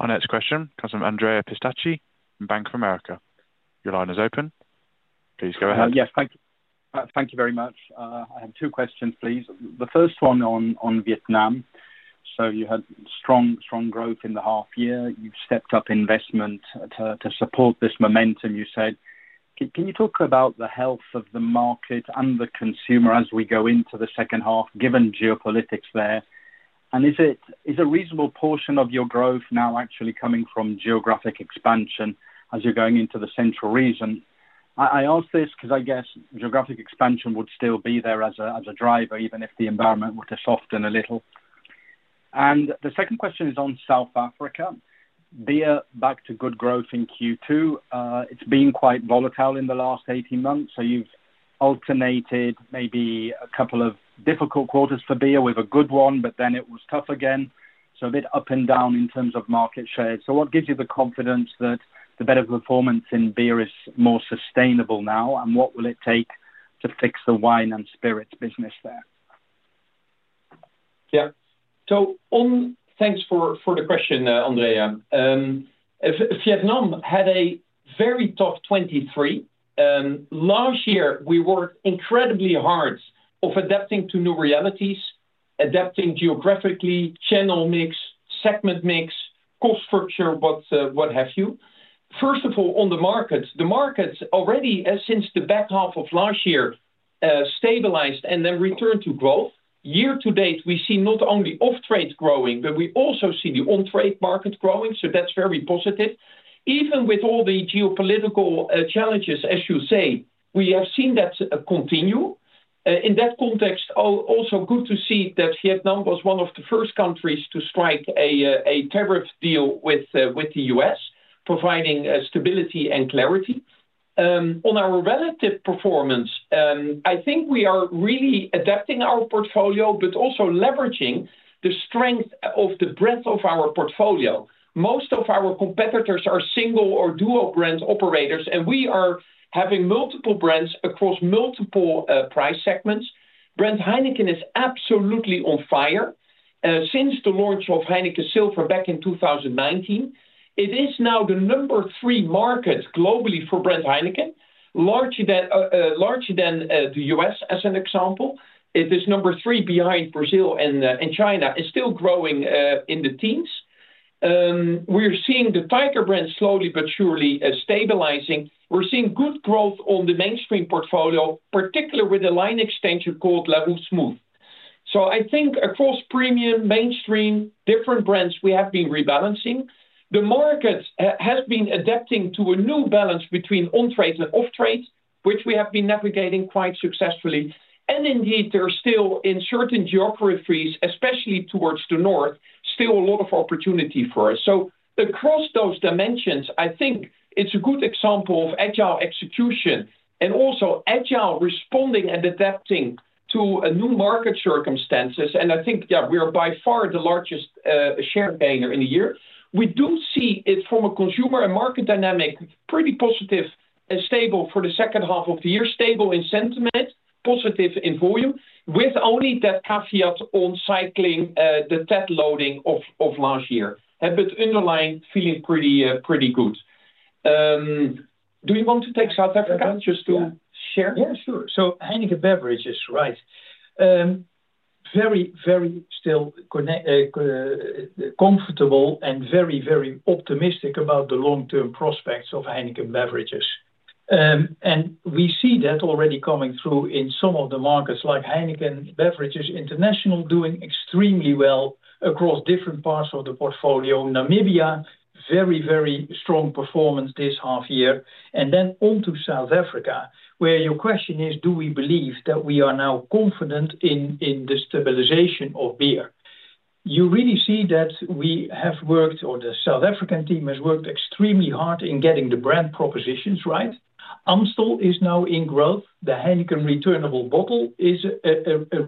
Speaker 1: Our next question comes from Andrea Pistacchi from Bank of America. Your line is open. Please go ahead.
Speaker 13: Yes. Thank you. Thank you very much. I have two questions, please. The first one on Vietnam. You had strong growth in the half year. You've stepped up investment to support this momentum, you said. Can you talk about the health of the market and the consumer as we go into the second half, given geopolitics there? Is a reasonable portion of your growth now actually coming from geographic expansion as you're going into the central region? I ask this because I guess geographic expansion would still be there as a driver, even if the environment were to soften a little. The second question is on South Africa. Beer back to good growth in Q2. It's been quite volatile in the last 18 months. You have alternated maybe a couple of difficult quarters for beer with a good one, but then it was tough again. A bit up and down in terms of market shares. What gives you the confidence that the better performance in beer is more sustainable now? What will it take to fix the wine and spirits business there?
Speaker 3: Yeah. Thanks for the question, Andrea. Vietnam had a very tough 2023. Last year, we worked incredibly hard on adapting to new realities, adapting geographically, channel mix, segment mix, cost structure, what have you. First of all, on the markets, the markets already since the back half of last year stabilized and then returned to growth. Year to date, we see not only off-trade growing, but we also see the on-trade market growing. That is very positive. Even with all the geopolitical challenges, as you say, we have seen that continue. In that context, also good to see that Vietnam was one of the first countries to strike a tariff deal with the U.S., providing stability and clarity. On our relative performance, I think we are really adapting our portfolio, but also leveraging the strength of the breadth of our portfolio. Most of our competitors are single or dual-brand operators, and we are having multiple brands across multiple price segments. Brand Heineken is absolutely on fire. Since the launch of Heineken Silver back in 2019, it is now the number three market globally for Brand Heineken, larger than the U.S., as an example. It is number three behind Brazil and China and still growing in the teens. We are seeing the Tiger brand slowly but surely stabilizing. We are seeing good growth on the mainstream portfolio, particularly with the line extension called Larue Smooth. I think across premium, mainstream, different brands, we have been rebalancing. The market has been adapting to a new balance between on-trade and off-trade, which we have been navigating quite successfully. Indeed, there are still, in certain geographies, especially towards the north, still a lot of opportunity for us. Across those dimensions, I think it's a good example of agile execution and also agile responding and adapting to new market circumstances. I think, yeah, we are by far the largest share gainer in the year. We do see it from a consumer and market dynamic, pretty positive and stable for the second half of the year, stable in sentiment, positive in volume, with only that caveat on cycling the TET loading of last year. Underlying feeling pretty good. Do you want to take South Africa just to share?
Speaker 4: Yeah, sure. Heineken Beverages, right? Very, very still. Comfortable and very, very optimistic about the long-term prospects of Heineken Beverages. We see that already coming through in some of the markets like Heineken Beverages International doing extremely well across different parts of the portfolio. Namibia, very, very strong performance this half year. Then onto South Africa, where your question is, do we believe that we are now confident in the stabilization of beer? You really see that we have worked, or the South African team has worked extremely hard in getting the brand propositions right. Amstel is now in growth. The Heineken returnable bottle is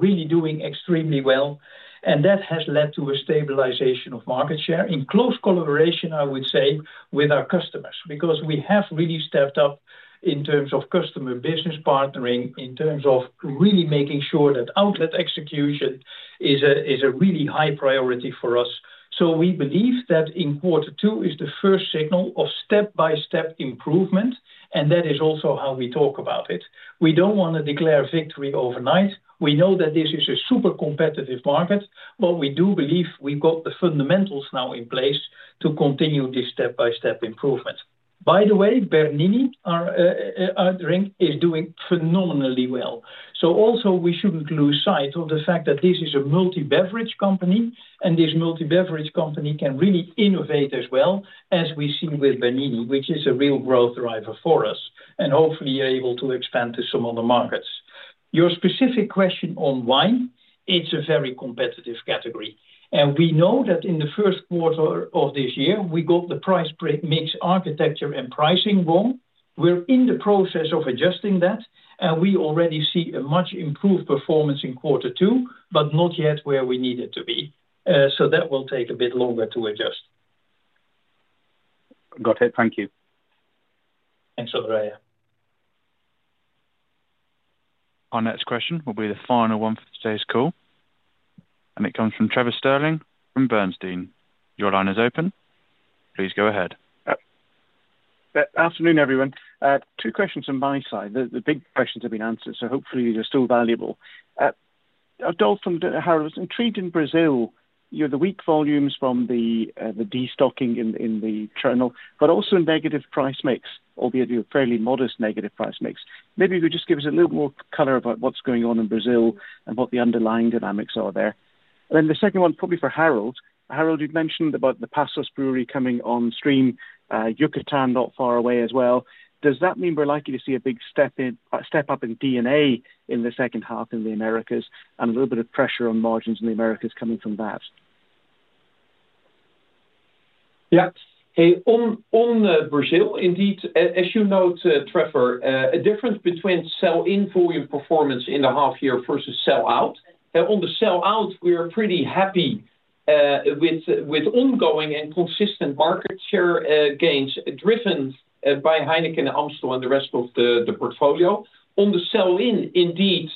Speaker 4: really doing extremely well. That has led to a stabilization of market share in close collaboration, I would say, with our customers because we have really stepped up in terms of customer business partnering, in terms of really making sure that outlet execution is a really high priority for us. We believe that in quarter two is the first signal of step-by-step improvement, and that is also how we talk about it. We do not want to declare victory overnight. We know that this is a super competitive market, but we do believe we have got the fundamentals now in place to continue this step-by-step improvement. By the way, Bernini is doing phenomenally well. We should not lose sight of the fact that this is a multi-beverage company, and this multi-beverage company can really innovate as well, as we see with Bernini, which is a real growth driver for us, and hopefully able to expand to some other markets. Your specific question on wine, it is a very competitive category. We know that in the first quarter of this year, we got the price mix architecture and pricing wrong. We are in the process of adjusting that, and we already see a much improved performance in quarter two, but not yet where we need it to be. That will take a bit longer to adjust.
Speaker 13: Got it. Thank you.
Speaker 3: Thanks, Andrea.
Speaker 1: Our next question will be the final one for today's call. It comes from Trevor Stirling from Bernstein. Your line is open. Please go ahead.
Speaker 14: Afternoon, everyone. Two questions on my side. The big questions have been answered, so hopefully they are still valuable. Dolf and Harold, I was intrigued in Brazil, the weak volumes from the destocking in the channel, but also negative price mix, albeit a fairly modest negative price mix. Maybe you could just give us a little more color about what is going on in Brazil and what the underlying dynamics are there. The second one is probably for Harold. Harold, you had mentioned about the Passos brewery coming on stream, Yucatán not far away as well. Does that mean we are likely to see a big step up in DNA in the second half in the Americas and a little bit of pressure on margins in the Americas coming from that?
Speaker 3: Yeah. On Brazil, indeed, as you note, Trevor, a difference between sell-in volume performance in the half year versus sell-out. On the sell-out, we are pretty happy. With ongoing and consistent market share gains driven by Heineken and Amstel and the rest of the portfolio. On the sell-in, indeed,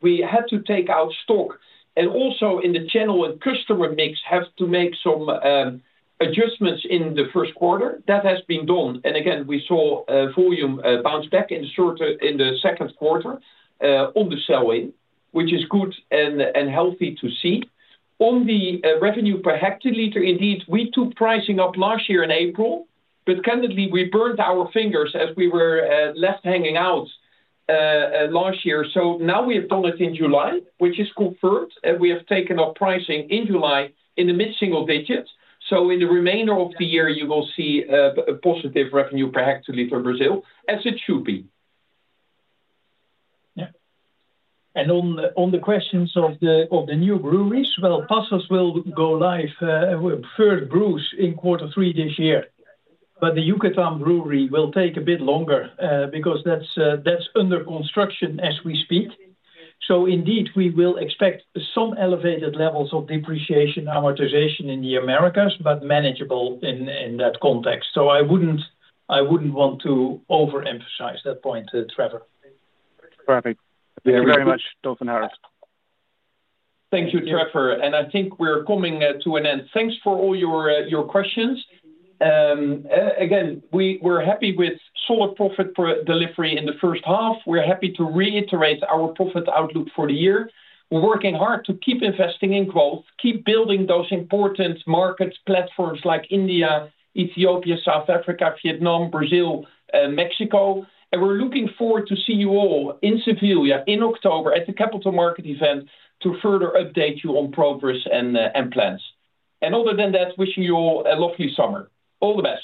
Speaker 3: we had to take out stock and also in the channel and customer mix have to make some adjustments in the first quarter. That has been done. Again, we saw volume bounce back in the second quarter on the sell-in, which is good and healthy to see. On the revenue per hectoliter, indeed, we took pricing up last year in April, but candidly, we burned our fingers as we were left hanging out last year. Now we have done it in July, which is confirmed, and we have taken up pricing in July in the mid-single digits. In the remainder of the year, you will see a positive revenue per hectoliter Brazil as it should be. Yeah.
Speaker 4: On the questions of the new breweries, Passos will go live, first brews in quarter three this year. The Yucatán brewery will take a bit longer because that is under construction as we speak. Indeed, we will expect some elevated levels of depreciation amortization in the Americas, but manageable in that context. I would not want to overemphasize that point, Trevor.
Speaker 14: Perfect. Thank you very much, Dolf and Harold.
Speaker 3: Thank you, Trevor. I think we are coming to an end. Thanks for all your questions. Again, we are happy with solid profit delivery in the first half. We are happy to reiterate our profit outlook for the year. We are working hard to keep investing in growth, keep building those important markets, platforms like India, Ethiopia, South Africa, Vietnam, Brazil, Mexico.We are looking forward to seeing you all in Seville in October at the Capital Markets Event to further update you on progress and plans. Other than that, wishing you all a lovely summer. All the best.